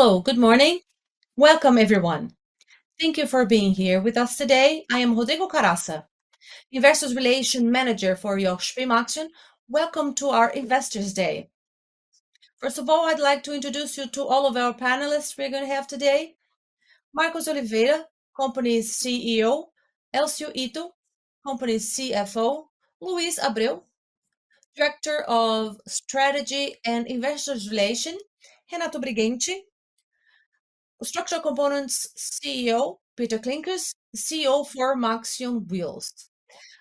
Hello. Good morning. Welcome, everyone. Thank you for being here with us today. I am Rodrigo Caraca, Investor Relations Manager for Iochpe-Maxion. Welcome to our Investor Day. First of all, I'd like to introduce you to all of our panelists we're gonna have today. Marcos Oliveira, company's CEO. Elcio Ito, company's CFO. Luiz Abreu, Director of Strategy and Investor Relations. Renato Brighenti, Structural Components CEO. Pieter Klinkers, CEO for Maxion Wheels.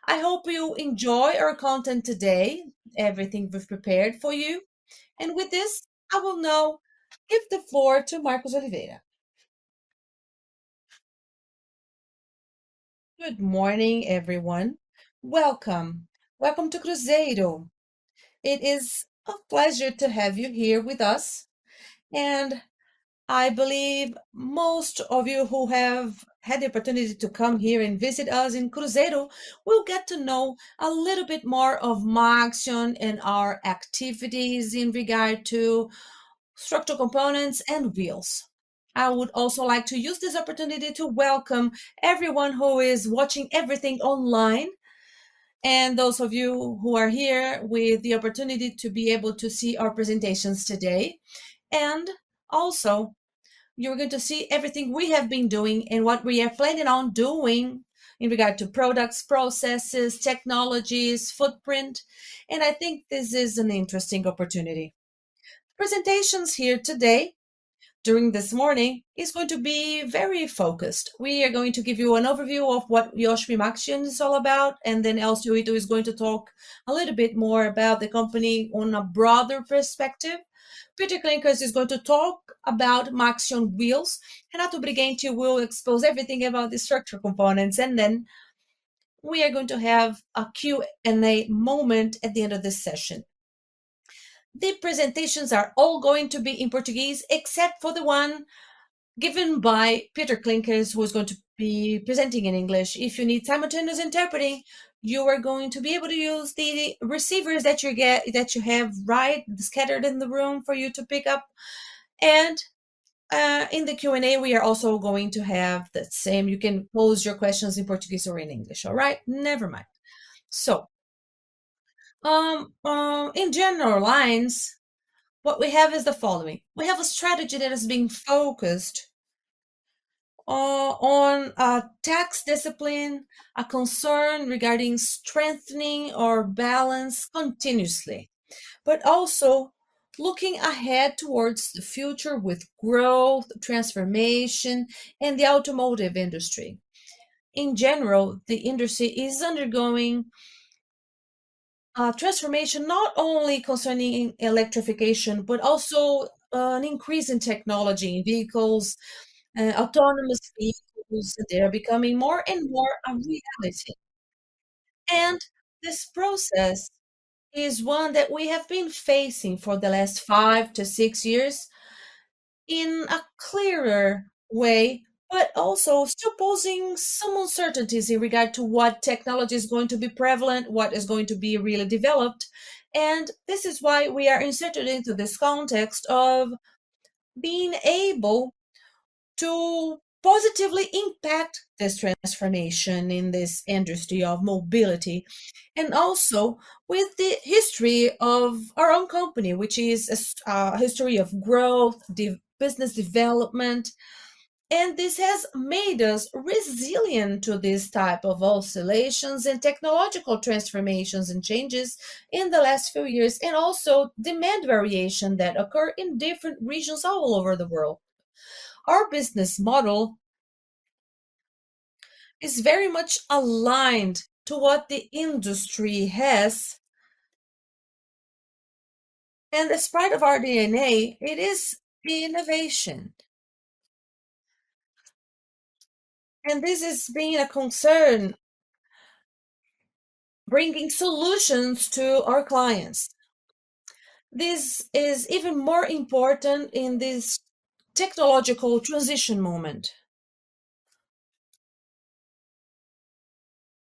I hope you enjoy our content today, everything we've prepared for you. With this, I will now give the floor to Marcos Oliveira. Good morning, everyone. Welcome. Welcome to Cruzeiro. It is a pleasure to have you here with us, and I believe most of you who have had the opportunity to come here and visit us in Cruzeiro will get to know a little bit more of Maxion and our activities in regard to structural components and wheels. I would also like to use this opportunity to welcome everyone who is watching everything online, and those of you who are here with the opportunity to be able to see our presentations today. You're going to see everything we have been doing and what we are planning on doing in regard to products, processes, technologies, footprint, and I think this is an interesting opportunity. Presentations here today, during this morning, is going to be very focused. We are going to give you an overview of what Iochpe-Maxion is all about, then Elcio Ito is going to talk a little bit more about the company on a broader perspective. Pieter Klinkers is going to talk about Maxion Wheels. Renato Brighenti will expose everything about the structural components, then we are going to have a Q&A moment at the end of this session. The presentations are all going to be in Portuguese except for the one given by Pieter Klinkers, who is going to be presenting in English. If you need simultaneous interpreting, you are going to be able to use the receivers that you get, that you have right scattered in the room for you to pick up. In the Q&A, we are also going to have the same. You can pose your questions in Portuguese or in English. All right? Never mind. In general lines, what we have is the following: We have a strategy that is being focused on tax discipline, a concern regarding strengthening our balance continuously, but also looking ahead towards the future with growth, transformation, and the automotive industry. In general, the industry is undergoing a transformation not only concerning electrification, but also an increase in technology in vehicles, autonomous vehicles. They are becoming more and more a reality. This process is one that we have been facing for the last five to six years in a clearer way, but also still posing some uncertainties in regard to what technology is going to be prevalent, what is going to be really developed, and this is why we are inserted into this context of being able to positively impact this transformation in this industry of mobility. Also, with the history of our own company, which is a history of growth, the business development, and this has made us resilient to this type of oscillations and technological transformations and changes in the last few years, and also demand variation that occur in different regions all over the world. Our business model is very much aligned to what the industry has. As part of our DNA, it is the innovation. This has been a concern, bringing solutions to our clients. This is even more important in this technological transition moment.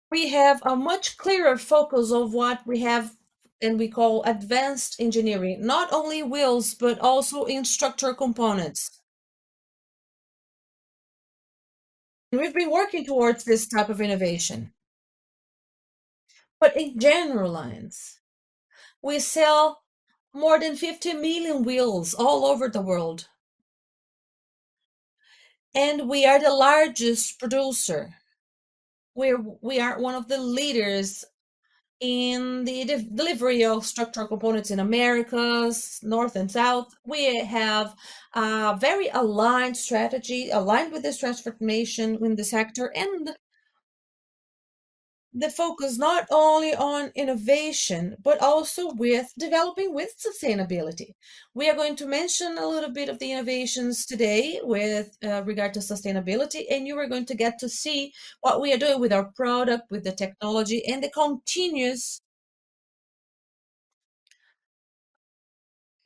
We have a much clearer focus of what we have and we call advanced engineering, not only wheels, but also in structural components. We've been working towards this type of innovation. In general lines, we sell more than 50 million wheels all over the world, and we are the largest producer. We are one of the leaders in the delivery of structural components in Americas, North and South. We have a very aligned strategy, aligned with this transformation in the sector and the focus not only on innovation, but also with developing with sustainability. We are going to mention a little bit of the innovations today with regard to sustainability, and you are going to get to see what we are doing with our product, with the technology, and the continuous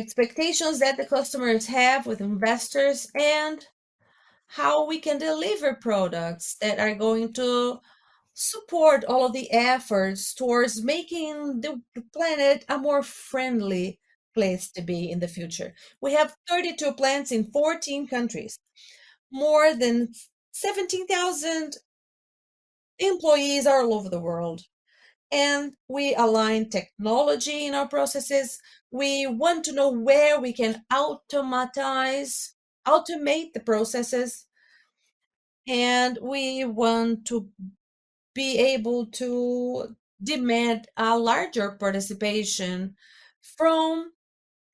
expectations that the customers have with investors. How we can deliver products that are going to support all of the efforts towards making the planet a more friendly place to be in the future. We have 32 plants in 14 countries. More than 17,000 employees all over the world. We align technology in our processes. We want to know where we can automate the processes, and we want to be able to demand a larger participation from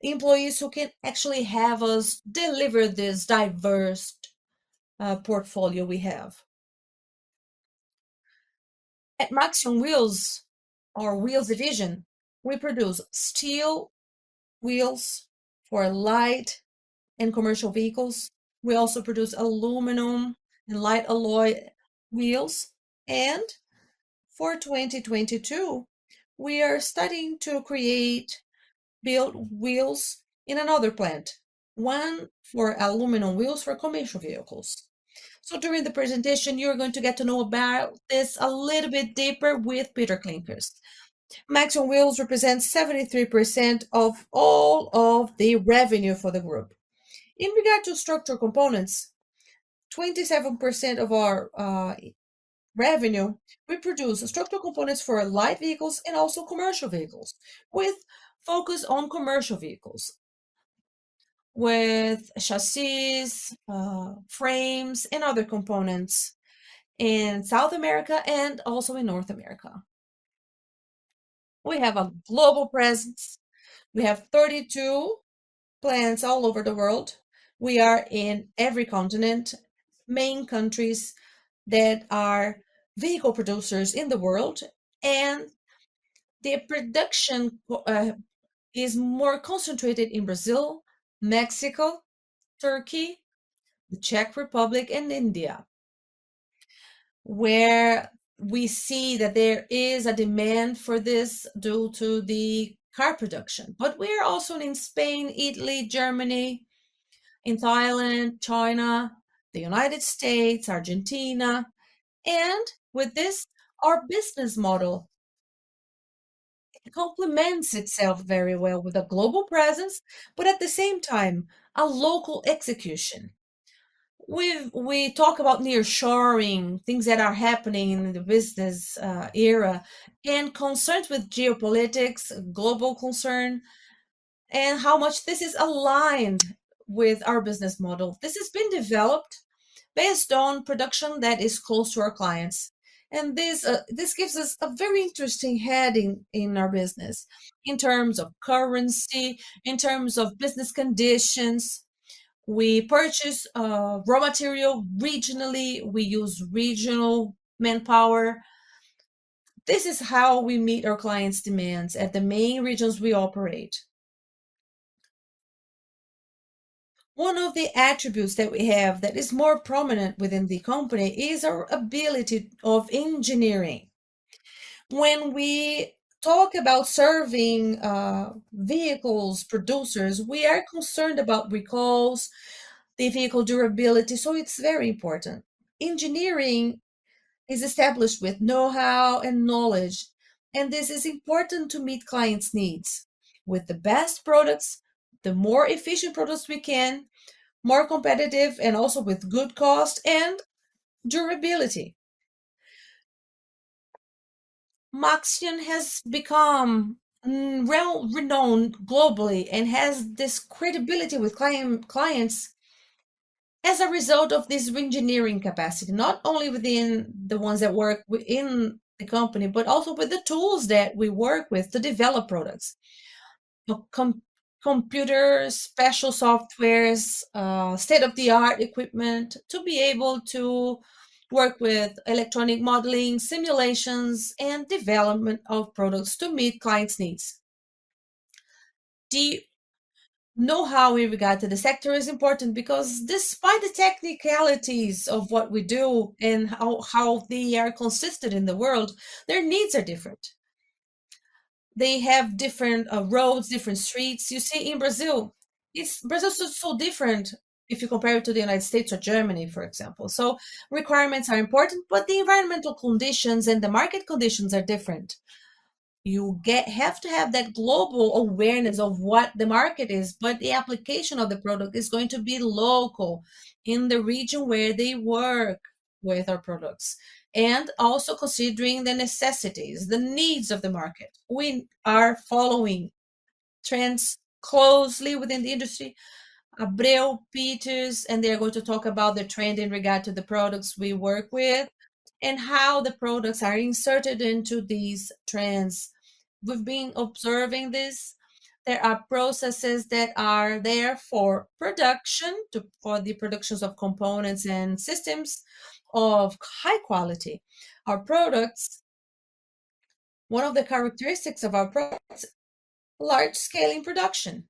employees who can actually have us deliver this diverse portfolio we have. At Maxion Wheels, our wheels division, we produce steel wheels for light and commercial vehicles. We also produce aluminum and light alloy wheels. For 2022, we are starting to build wheels in another plant, one for aluminum wheels for commercial vehicles. During the presentation, you're going to get to know about this a little bit deeper with Pieter Klinkers. Maxion Wheels represents 73% of all of the revenue for the group. In regard to structural components, 27% of our revenue, we produce structural components for light vehicles and also commercial vehicles, with focus on commercial vehicles, with chassis, frames, and other components in South America and also in North America. We have a global presence. We have 32 plants all over the world. We are in every continent, main countries that are vehicle producers in the world, the production is more concentrated in Brazil, Mexico, Turkey, the Czech Republic and India, where we see that there is a demand for this due to the car production. We're also in Spain, Italy, Germany, in Thailand, China, the United States, Argentina. With this, our business model, it complements itself very well with a global presence, but at the same time, a local execution. We talk about nearshoring, things that are happening in the business era and concerns with geopolitics, global concern, and how much this is aligned with our business model. This has been developed based on production that is close to our clients. This gives us a very interesting heading in our business in terms of currency, in terms of business conditions. We purchase raw material regionally. We use regional manpower. This is how we meet our clients' demands at the main regions we operate. One of the attributes that we have that is more prominent within the company is our ability of engineering. When we talk about serving vehicles producers, we are concerned about recalls, the vehicle durability, so it's very important. Engineering is established with know-how and knowledge, and this is important to meet clients' needs with the best products, the more efficient products we can, more competitive, and also with good cost and durability. Maxion has become, well-renowned globally and has this credibility with clients as a result of this reengineering capacity, not only within the ones that work within the company, but also with the tools that we work with to develop products. Computers, special softwares, state-of-the-art equipment to be able to work with electronic modeling, simulations, and development of products to meet clients' needs. The know-how in regard to the sector is important because despite the technicalities of what we do and how they are consistent in the world, their needs are different. They have different, roads, different streets. You see in Brazil, it's... Brazil is so different if you compare it to the United States or Germany, for example. Requirements are important, but the environmental conditions and the market conditions are different. You have to have that global awareness of what the market is, but the application of the product is going to be local in the region where they work with our products. Also considering the necessities, the needs of the market. We are following trends closely within the industry. Abreu, Pieter Klinkers, they're going to talk about the trend in regard to the products we work with and how the products are inserted into these trends. We've been observing this. There are processes that are there for production, for the productions of components and systems of high quality. Our products, one of the characteristics of our products, large scale in production.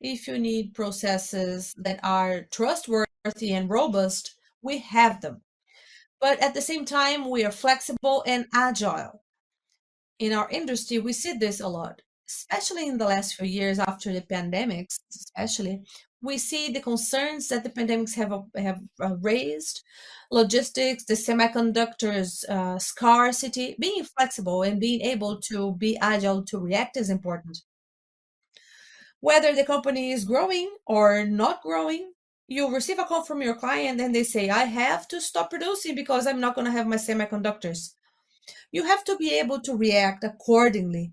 If you need processes that are trustworthy and robust, we have them. At the same time, we are flexible and agile. In our industry, we see this a lot, especially in the last few years after the pandemic especially, we see the concerns that the pandemics have raised, logistics, the semiconductors, scarcity. Being flexible and being able to be agile to react is important. Whether the company is growing or not growing, you receive a call from your client and they say, "I have to stop producing because I'm not gonna have my semiconductors," you have to be able to react accordingly.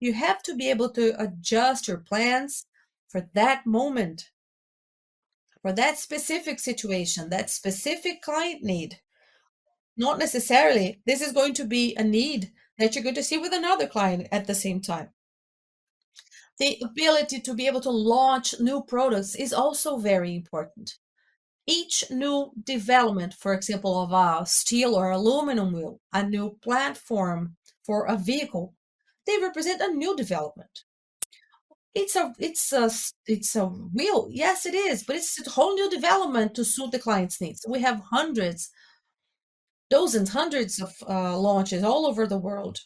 You have to be able to adjust your plans for that moment, for that specific situation, that specific client need. Not necessarily this is going to be a need that you're going to see with another client at the same time. The ability to be able to launch new products is also very important. Each new development, for example, of a steel or aluminum wheel, a new platform for a vehicle, they represent a new development. It's a wheel, yes, it is, but it's a whole new development to suit the client's needs. We have hundreds, dozens, hundreds of launches all over the world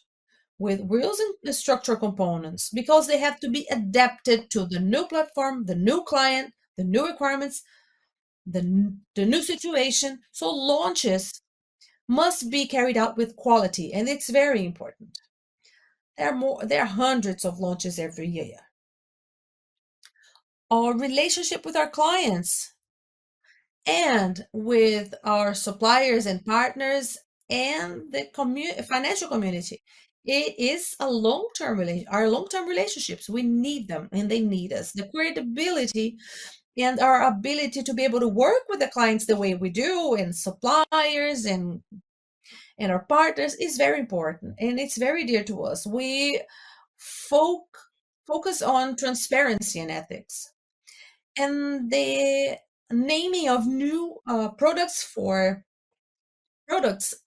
with wheels and structural components because they have to be adapted to the new platform, the new client, the new requirements, the new situation. Launches must be carried out with quality, and it's very important. There are hundreds of launches every year. Our relationship with our clients and with our suppliers and partners and the financial community are long-term relationships. We need them and they need us. The credibility and our ability to be able to work with the clients the way we do, and suppliers and our partners is very important and it's very dear to us. We focus on transparency and ethics. The naming of new products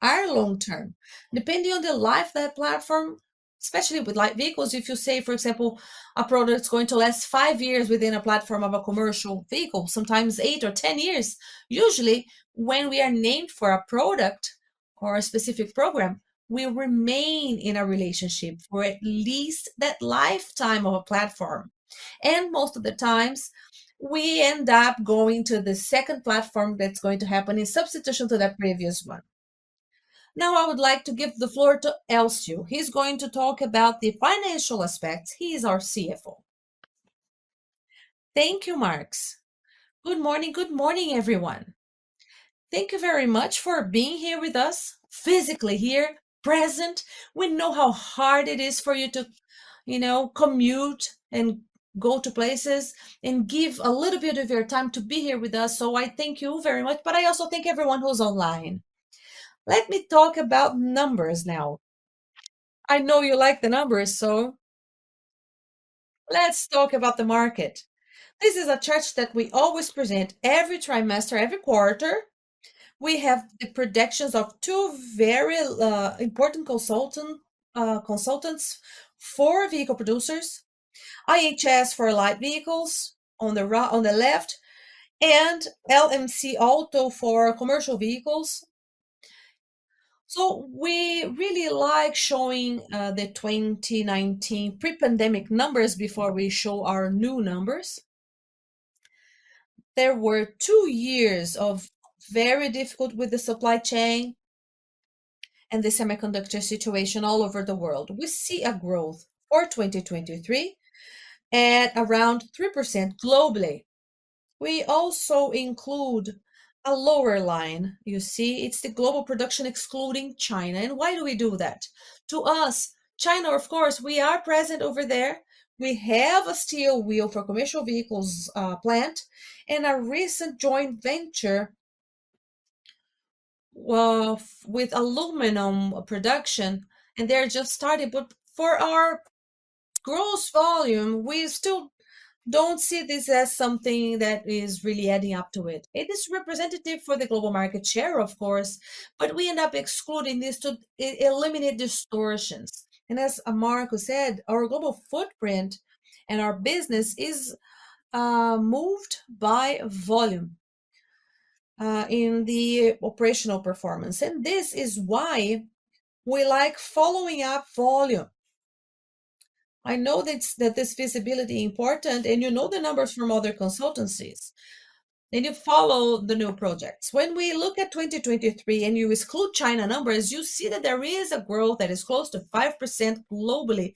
are long-term. Depending on the life of that platform, especially with light vehicles, if you say for example, a product's going to last 5 years within a platform of a commercial vehicle, sometimes 8 or 10 years, usually when we are named for a product or a specific program, we remain in a relationship for at least that lifetime of a platform. Most of the times, we end up going to the second platform that's going to happen in substitution to that previous one. Now I would like to give the floor to Elcio. He's going to talk about the financial aspects. He is our CFO. Thank you, Marcos. Good morning. Good morning, everyone. Thank you very much for being here with us, physically here, present. We know how hard it is for you to, you know, commute and go to places, and give a little bit of your time to be here with us, so I thank you very much, but I also thank everyone who's online. Let me talk about numbers now. I know you like the numbers, so let's talk about the market. This is a chart that we always present every trimester, every quarter. We have the predictions of two very important consultants for vehicle producers, IHS for light vehicles on the left, and LMC Automotive for commercial vehicles. We really like showing the 2019 pre-pandemic numbers before we show our new numbers. There were two years of very difficult with the supply chain and the semiconductor situation all over the world. We see a growth for 2023 at around 3% globally. We also include a lower line, you see, it's the global production excluding China. Why do we do that? To us, China, of course, we are present over there. We have a steel wheel for commercial vehicles plant, and a recent joint venture, well, with aluminum production, and they're just starting. For our gross volume, we still don't see this as something that is really adding up to it. It is representative for the global market share, of course, we end up excluding this to eliminate distortions. As Marcos said, our global footprint and our business is moved by volume in the operational performance. This is why we like following up volume. I know that this visibility important. You know the numbers from other consultancies. You follow the new projects. When we look at 2023 and you exclude China numbers, you see that there is a growth that is close to 5% globally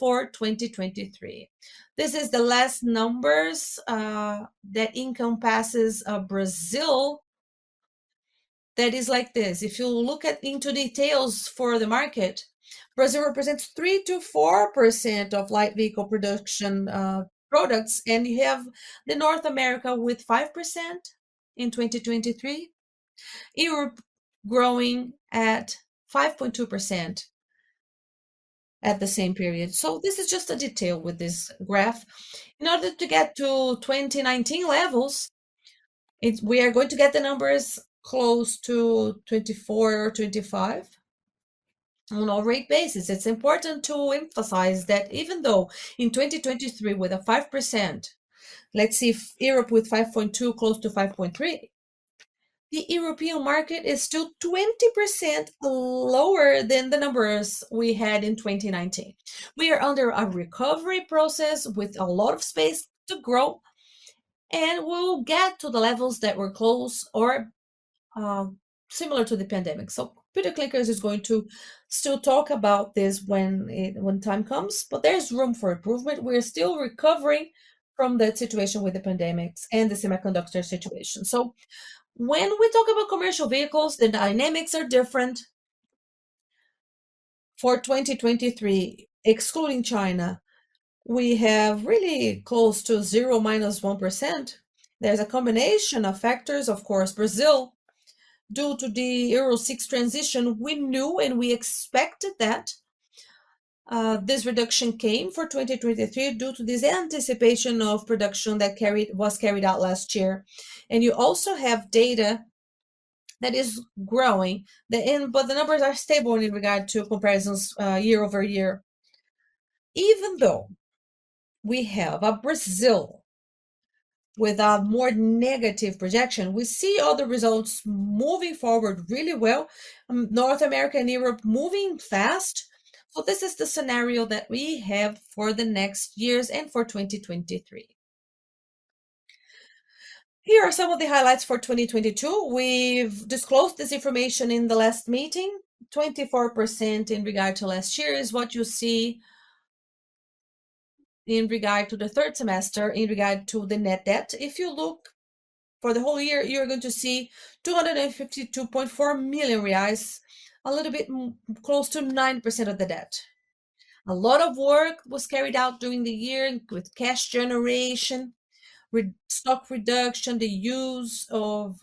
for 2023. This is the last numbers that encompasses Brazil that is like this. If you look at into details for the market, Brazil represents 3%-4% of light vehicle production products. You have the North America with 5% in 2023. Europe growing at 5.2% at the same period. This is just a detail with this graph. In order to get to 2019 levels, we are going to get the numbers close to 2024 or 2025 on all rate bases. It's important to emphasize that even though in 2023 with a 5%, let's see if Europe with 5.2 close to 5.3. The European market is still 20% lower than the numbers we had in 2019. We are under a recovery process with a lot of space to grow, we'll get to the levels that were close or similar to the pandemic. Pieter Klinkers is going to still talk about this when time comes, there's room for improvement. We're still recovering from the situation with the pandemic and the semiconductor situation. When we talk about commercial vehicles, the dynamics are different. For 2023, excluding China, we have really close to 0 minus 1%. There's a combination of factors, of course, Brazil, due to the Euro VI transition, we knew and we expected that this reduction came for 2023 due to this anticipation of production that was carried out last year. You also have data that is growing. The numbers are stable in regard to comparisons year-over-year. Even though we have a Brazil with a more negative projection, we see all the results moving forward really well. North America and Europe moving fast. This is the scenario that we have for the next years and for 2023. Here are some of the highlights for 2022. We've disclosed this information in the last meeting. 24% in regard to last year is what you see in regard to the third semester, in regard to the net debt. If you look for the whole year, you're going to see 252.4 million reais, a little bit close to 9% of the debt. A lot of work was carried out during the year with cash generation, with stock reduction, the use of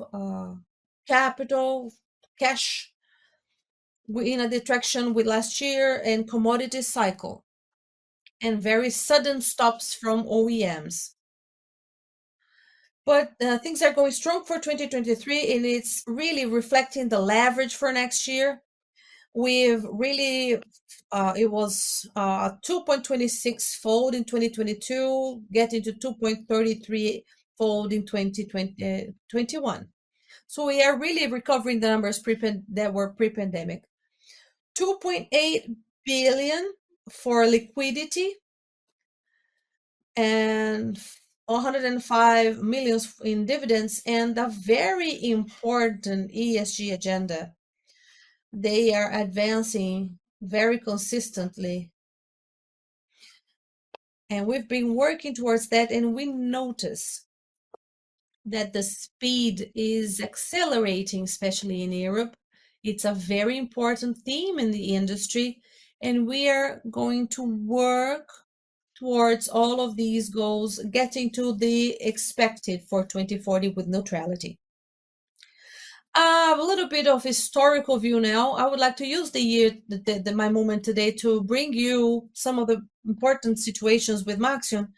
capital, cash in attraction with last year and commodity cycle, and very sudden stops from OEMs. Things are going strong for 2023, and it's really reflecting the leverage for next year. We've really it was 2.26 fold in 2022, getting to 2.33 fold in 2021. We are really recovering the numbers that were pre-pandemic. 2.8 billion for liquidity and 105 million in dividends and a very important ESG agenda. They are advancing very consistently. We've been working towards that, and we notice that the speed is accelerating, especially in Europe. It's a very important theme in the industry. We are going to work towards all of these goals, getting to the expected for 2040 with neutrality. A little bit of historical view now. I would like to use the year, my moment today to bring you some of the important situations with Maxion.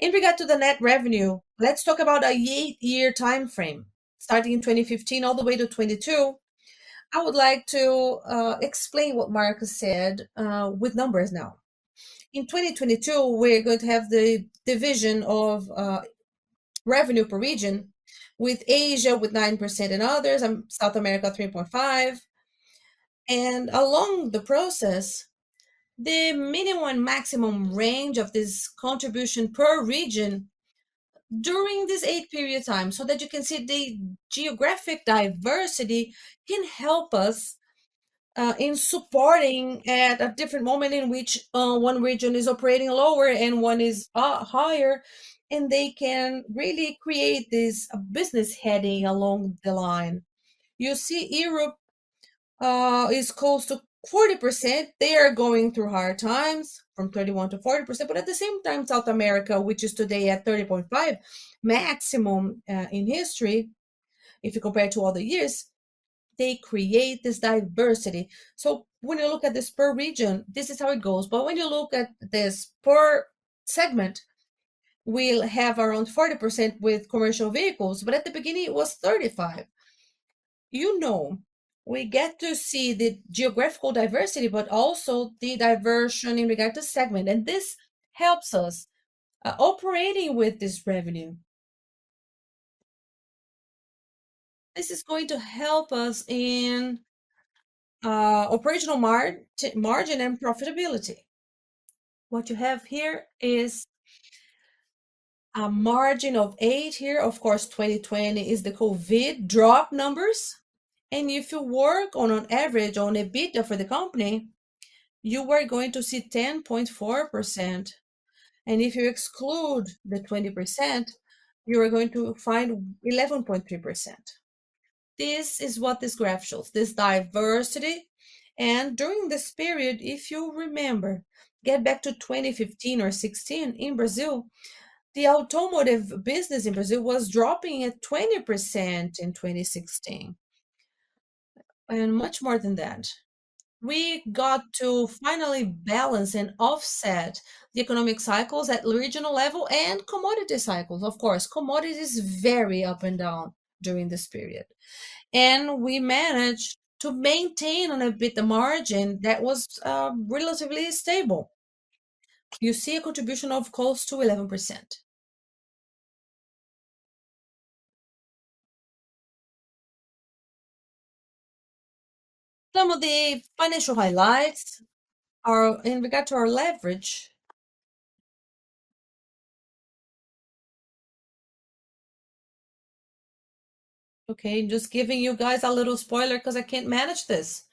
In regard to the net revenue, let's talk about a 8-year timeframe, starting in 2015 all the way to 2022. I would like to explain what Marcos said with numbers now. In 2022, we're going to have the division of revenue per region with Asia with 9% in others and South America 3.5%. Along the process, the minimum and maximum range of this contribution per region during this 8 period time, so that you can see the geographic diversity can help us in supporting at a different moment in which one region is operating lower and one is higher, and they can really create this business heading along the line. You see Europe is close to 40%. They are going through hard times from 31%-40%. At the same time, South America, which is today at 30.5, maximum in history, if you compare to other years, they create this diversity. When you look at this per region, this is how it goes. When you look at this per segment, we'll have around 40% with commercial vehicles, but at the beginning it was 35. You know, we get to see the geographical diversity, but also the diversion in regard to segment. This helps us operating with this revenue. This is going to help us in operational margin and profitability. What you have here is a margin of 8% here. Of course, 2020 is the COVID drop numbers. If you work on an average on a EBITDA for the company, you are going to see 10.4%. If you exclude the 20%, you are going to find 11.3%. This is what this graph shows, this diversity. During this period, if you remember, get back to 2015 or 2016 in Brazil, the automotive business in Brazil was dropping at 20% in 2016. Much more than that. We got to finally balance and offset the economic cycles at regional level and commodity cycles. Of course, commodities vary up and down during this period. We managed to maintain on a EBITDA margin that was relatively stable. You see a contribution of cost to 11%. Some of the financial highlights are in regard to our leverage. Just giving you guys a little spoiler 'cause I can't manage this.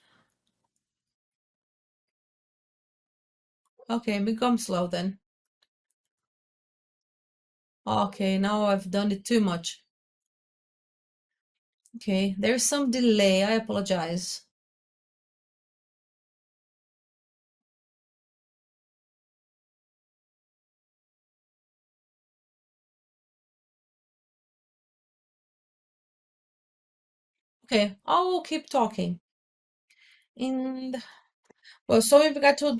Become slow. Now I've done it too much. There is some delay. I apologize. I will keep talking. In regard to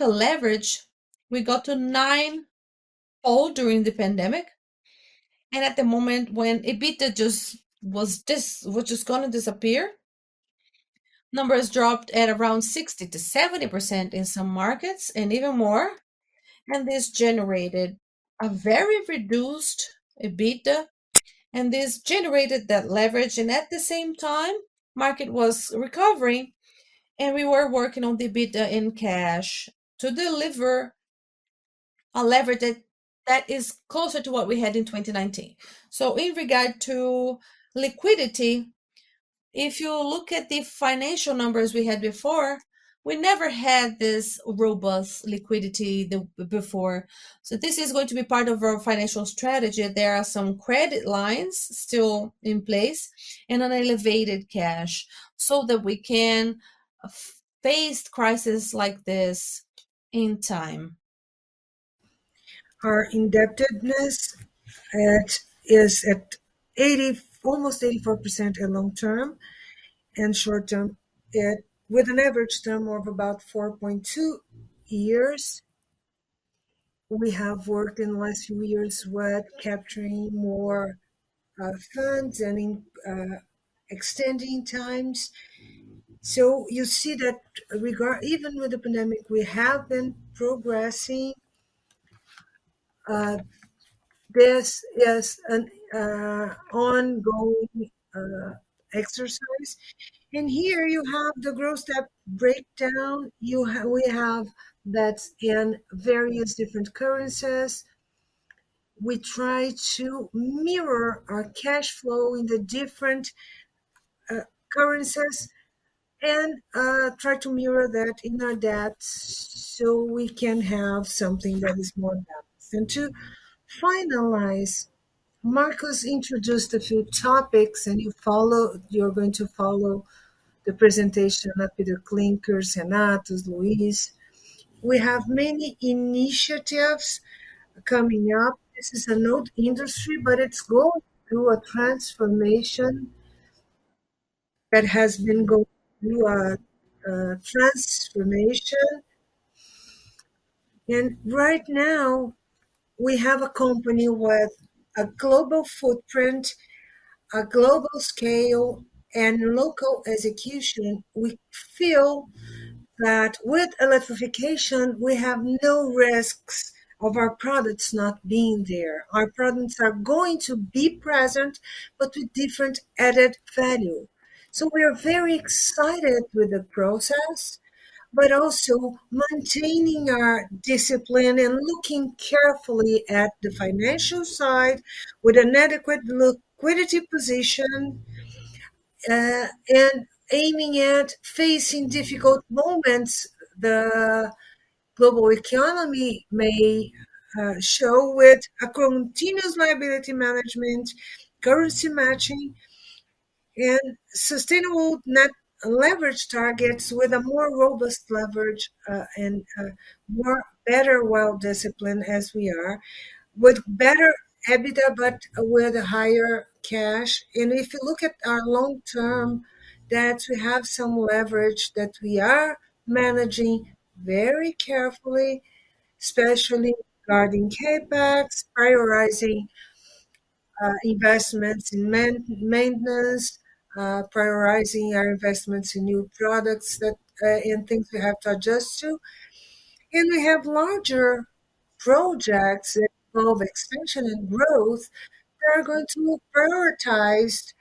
leverage, we got to 9, all during the pandemic. At the moment when EBITDA was just gonna disappear, numbers dropped at around 60%-70% in some markets and even more. This generated a very reduced EBITDA, and this generated that leverage. At the same time, market was recovering and we were working on the EBITDA in cash to deliver a leverage that is closer to what we had in 2019. In regard to liquidity, if you look at the financial numbers we had before, we never had this robust liquidity before. This is going to be part of our financial strategy. There are some credit lines still in place and an elevated cash so that we can face crisis like this in time. Our indebtedness is at almost 84% in long term and short term, with an average term of about 4.2 years. We have worked in the last few years with capturing more funds and in extending times. You see that regard. Even with the pandemic, we have been progressing. This is an ongoing exercise. Here you have the growth step breakdown. We have that in various different currencies. We try to mirror our cash flow in the different currencies and try to mirror that in our debts so we can have something that is more balanced. To finalize, Marcos Oliveira introduced a few topics, and you're going to follow the presentation of Pieter Klinkers, Renato Brighenti, Luis Fernando Abreu. We have many initiatives coming up. This is an old industry, but it's going through a transformation. It has been going through a transformation. Right now, we have a company with a global footprint, a global scale, and local execution. We feel that with electrification, we have no risks of our products not being there. Our products are going to be present but with different added value. We are very excited with the process, but also maintaining our discipline and looking carefully at the financial side with an adequate liquidity position, and aiming at facing difficult moments the global economy may show, with a continuous liability management, currency matching, and sustainable net leverage targets with a more robust leverage, and a more better well discipline as we are, with better EBITDA, but with a higher cash. If you look at our long term, that we have some leverage that we are managing very carefully, especially regarding CapEx, prioritizing investments in man-maintenance, prioritizing our investments in new products that, and things we have to adjust to. We have larger projects that involve expansion and growth that are going to be prioritized,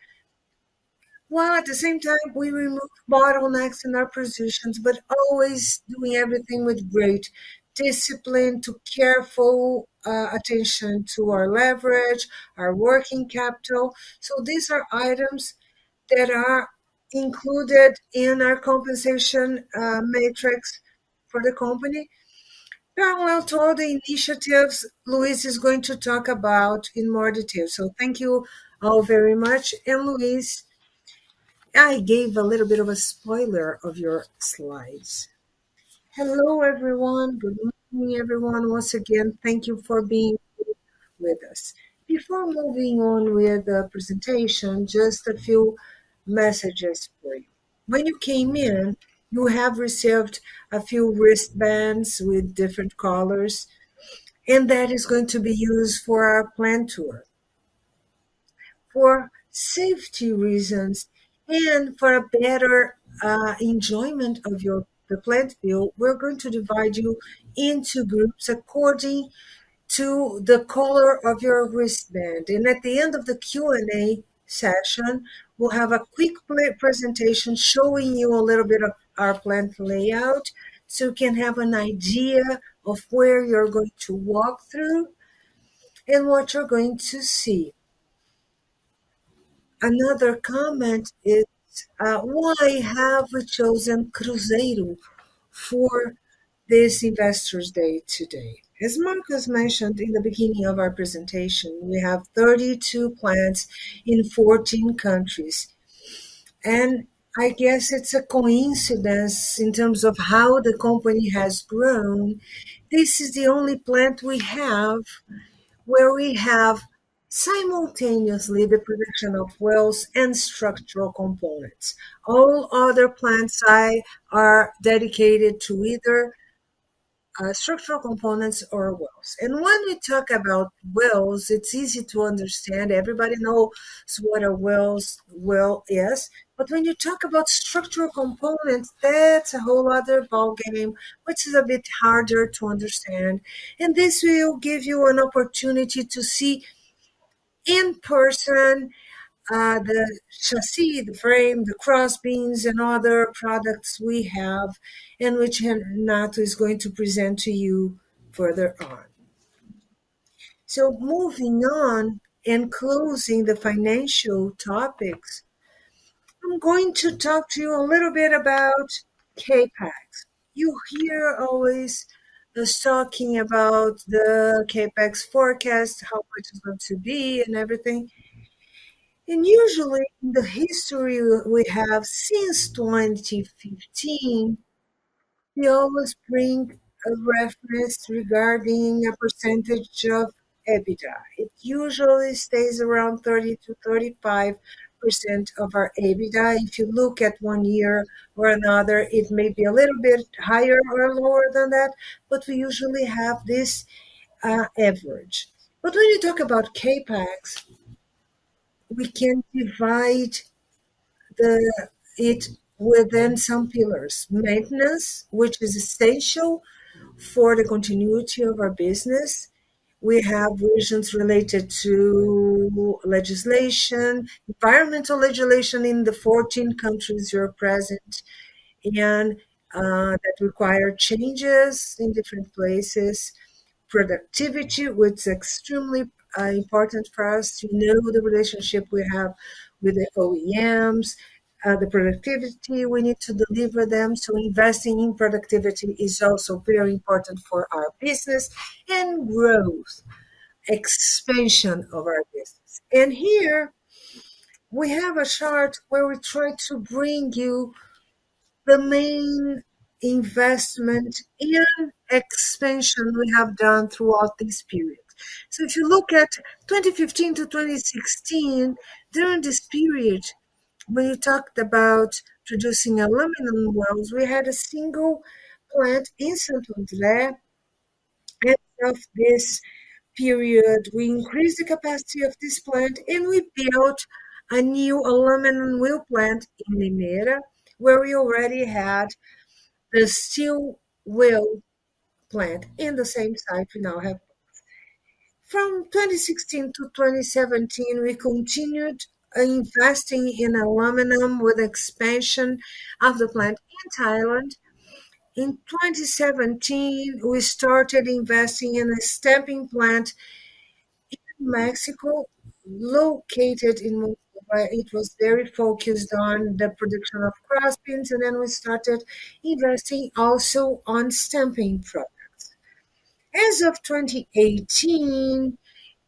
while at the same time we remove bottlenecks in our positions, but always doing everything with great discipline to careful attention to our leverage, our working capital. These are items that are included in our compensation matrix for the company. Parallel to all the initiatives Luis is going to talk about in more detail. Thank you all very much. Luis, I gave a little bit of a spoiler of your slides. Hello, everyone. Good morning, everyone. Once again, thank you for being here with us. Before moving on with the presentation, just a few messages for you. When you came in, you have received a few wristbands with different colors. That is going to be used for our plant tour. For safety reasons and for a better enjoyment of the plant view, we're going to divide you into groups according to the color of your wristband. At the end of the Q&A session, we'll have a quick pre-presentation showing you a little bit of our plant layout, so you can have an idea of where you're going to walk through and what you're going to see. Another comment is, why have we chosen Cruzeiro for this Investors Day today? As Marcus mentioned in the beginning of our presentation, we have 32 plants in 14 countries. I guess it's a coincidence in terms of how the company has grown. This is the only plant we have where we have simultaneously the production of wheels and structural components. All other plants are dedicated to either structural components or wheels. When we talk about wheels, it's easy to understand. Everybody knows what a wheel is. When you talk about structural components, that's a whole other ballgame, which is a bit harder to understand. This will give you an opportunity to see in person the chassis, the frame, the cross beams and other products we have, and which Renato is going to present to you further on. Moving on and closing the financial topics, I'm going to talk to you a little bit about CapEx. You hear always just talking about the CapEx forecast, how much it's going to be and everything. Usually in the history we have since 2015, we always bring a reference regarding a % of EBITDA. It usually stays around 30%-35% of our EBITDA. If you look at one year or another, it may be a little bit higher or lower than that, but we usually have this average. When you talk about CapEx, we can divide it within some pillars. Maintenance, which is essential for the continuity of our business. We have versions related to legislation, environmental legislation in the 14 countries you're present in, that require changes in different places. Productivity, which extremely important for us to know the relationship we have with the OEMs, the productivity we need to deliver them. Investing in productivity is also very important for our business. Growth, expansion of our business. Here we have a chart where we try to bring you the main investment and expansion we have done throughout this period. If you look at 2015 to 2016, during this period, we talked about producing aluminum wheels. We had a single plant in Saint-Jean-de-Maurienne. At of this period, we increased the capacity of this plant, and we built a new aluminum wheel plant in Limeira, where we already had the steel wheel plant. In the same site, we now have both. From 2016 to 2017, we continued investing in aluminum with expansion of the plant in Thailand. In 2017, we started investing in a stamping plant in Mexico, located in Monterrey. It was very focused on the production of cross beams, we started investing also on stamping products. As of 2018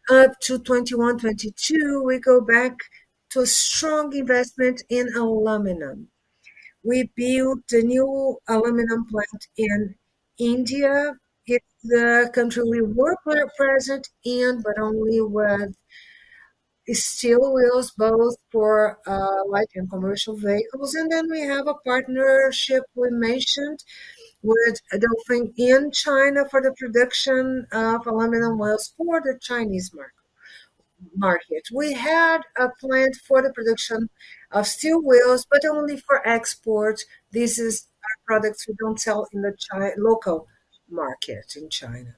up to 2021, 2022, we go back to strong investment in aluminum. We built a new aluminum plant in India. It's the country we work with at present in, but only with steel wheels, both for light and commercial vehicles. We have a partnership we mentioned with Dongfeng in China for the production of aluminum wheels for the Chinese market. We had a plant for the production of steel wheels, but only for export. This is our products we don't sell in the local market in China.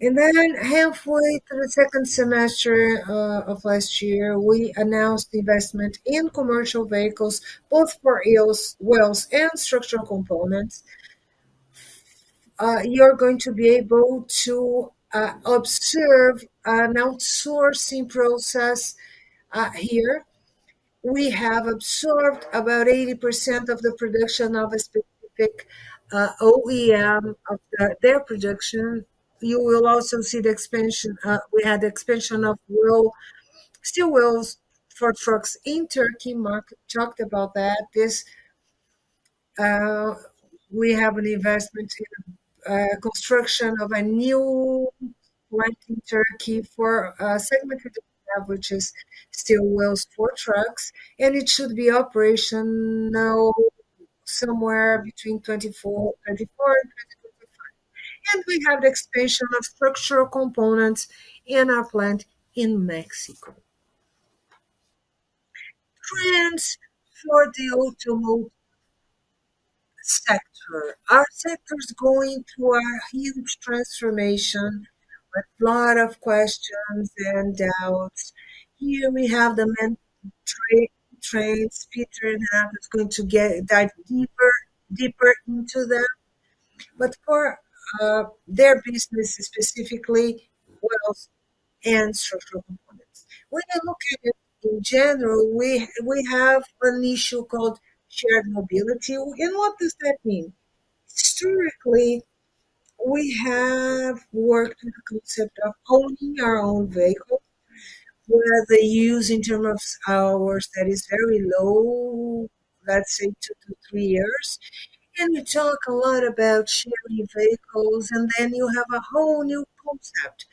Halfway through the second semester of last year, we announced investment in commercial vehicles, both for wheels and structural components. You're going to be able to observe an outsourcing process here. We have absorbed about 80% of the production of a specific OEM of their production. You will also see the expansion... We had the expansion of wheel, steel wheels for trucks in Turkey. Mark talked about that. We have an investment in construction of a new plant in Turkey for a segmented averages steel wheels for trucks, and it should be operational somewhere between 2024. We have expansion of structural components in our plant in Mexico. Trends for the automobile sector. Our sector is going through a huge transformation with lot of questions and doubts. Here we have the main trends. Pieter and Renato is going to dive deeper into them. For their business specifically, wheels and structural components. When I look at it in general, we have an issue called shared mobility. What does that mean? Historically, we have worked with the concept of owning our own vehicle, where the use in terms of hours that is very low, let's say 2-3 years. We talk a lot about sharing vehicles, and then you have a whole new concept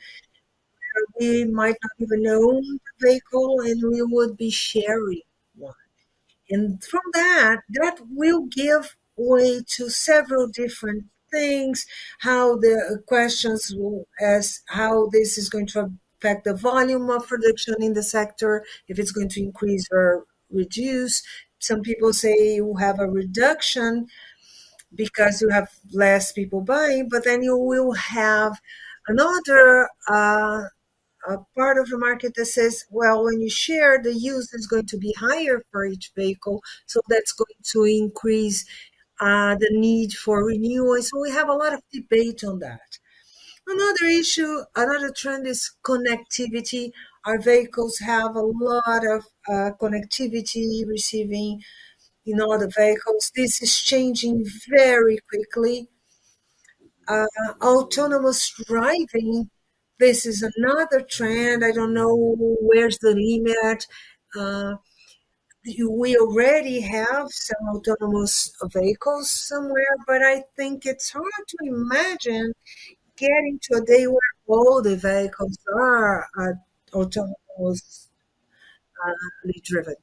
where we might not even own the vehicle, and we would be sharing one. From that will give way to several different things. How this is going to affect the volume of production in the sector, if it's going to increase or reduce. Some people say you have a reduction because you have less people buying, but then you will have another part of the market that says, "Well, when you share, the use is going to be higher for each vehicle, so that's going to increase the need for renewal." We have a lot of debate on that. Another issue, another trend is connectivity. Our vehicles have a lot of connectivity, receiving in all the vehicles. This is changing very quickly. Autonomous driving, this is another trend. I don't know where's the limit at. We already have some autonomous vehicles somewhere, but I think it's hard to imagine getting to a day where all the vehicles are autonomous driven.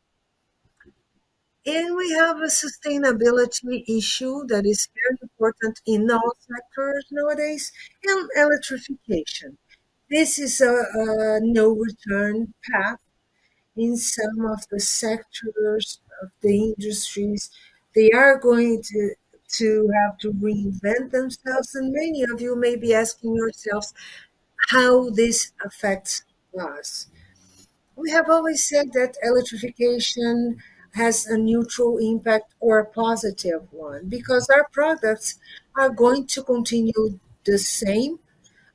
We have a sustainability issue that is very important in all sectors nowadays, and electrification. This is a no return path in some of the sectors of the industries. They are going to have to reinvent themselves, many of you may be asking yourselves how this affects us. We have always said that electrification has a neutral impact or a positive one because our products are going to continue the same,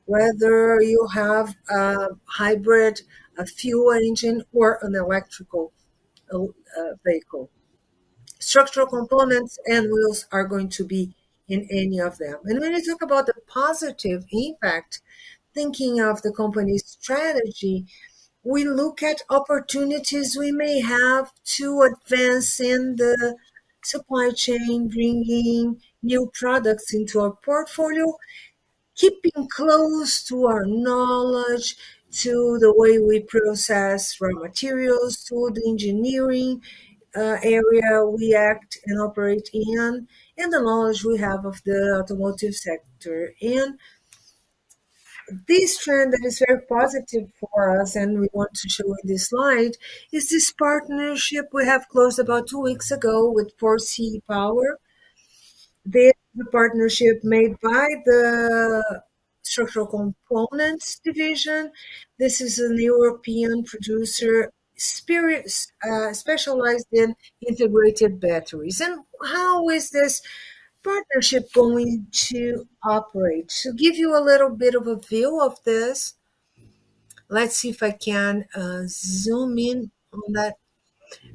whether you have a hybrid, a fuel engine, or an electrical vehicle. Structural components and wheels are going to be in any of them. When I talk about the positive impact, thinking of the company's strategy, we look at opportunities we may have to advance in the supply chain, bringing new products into our portfolio, keeping close to our knowledge, to the way we process raw materials, to the engineering area we act and operate in, and the knowledge we have of the automotive sector. This trend that is very positive for us, and we want to show in this slide, is this partnership we have closed about two weeks ago with Forsee Power. This is a partnership made by the Structural Components division. This is a new European producer, specialized in integrated batteries. How is this partnership going to operate? To give you a little bit of a view of this, let's see if I can zoom in on that.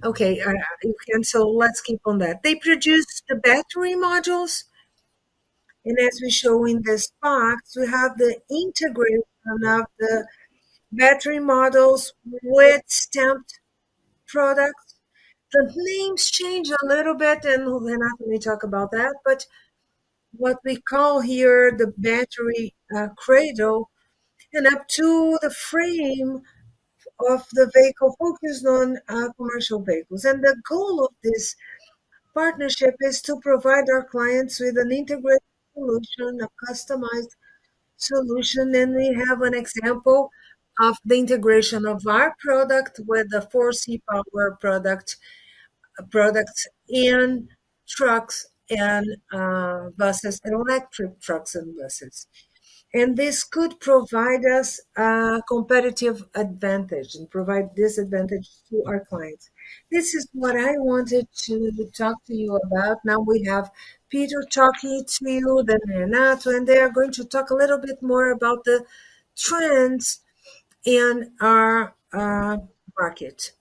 Okay, I can, so let's keep on that. They produce the battery modules, and as we show in this box, we have the integration of the battery modules with stamped products. The names change a little bit, and Renato will talk about that. What we call here the battery cradle, and up to the frame of the vehicle focused on commercial vehicles. The goal of this partnership is to provide our clients with an integrated solution, a customized solution. We have an example of the integration of our product with the Forsee Power product, products in trucks and buses, and electric trucks and buses. This could provide us a competitive advantage and provide this advantage to our clients. This is what I wanted to talk to you about. Now we have Pieter talking to you, then Renato, and they are going to talk a little bit more about the trends in our market.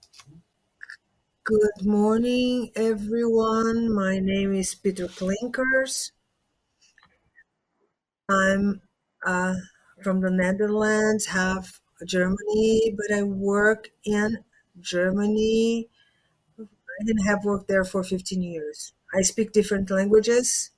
Good morning, everyone. My name is Pieter Klinkers. I'm from the Netherlands, half Germany. I work in Germany and have worked there for 15 years. I speak different languages.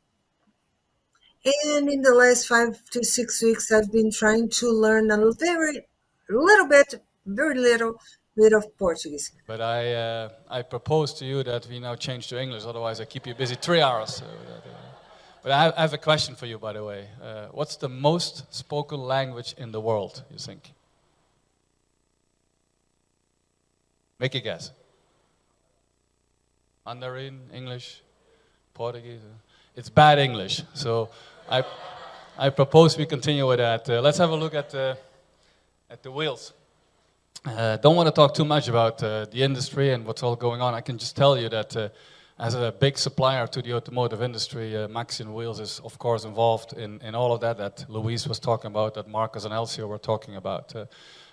In the last 5 to 6 weeks, I've been trying to learn a little bit A little bit, very little bit of Portuguese. I propose to you that we now change to English, otherwise I keep you busy 3 hours. I have a question for you, by the way. What's the most spoken language in the world, you think? Make a guess. Mandarin, English, Portuguese. It's bad English. I propose we continue with that. Let's have a look at the wheels. Don't wanna talk too much about the industry and what's all going on. I can just tell you that as a big supplier to the automotive industry, Maxion Wheels is of course involved in all of that Luis was talking about, that Marcos and Elcio were talking about.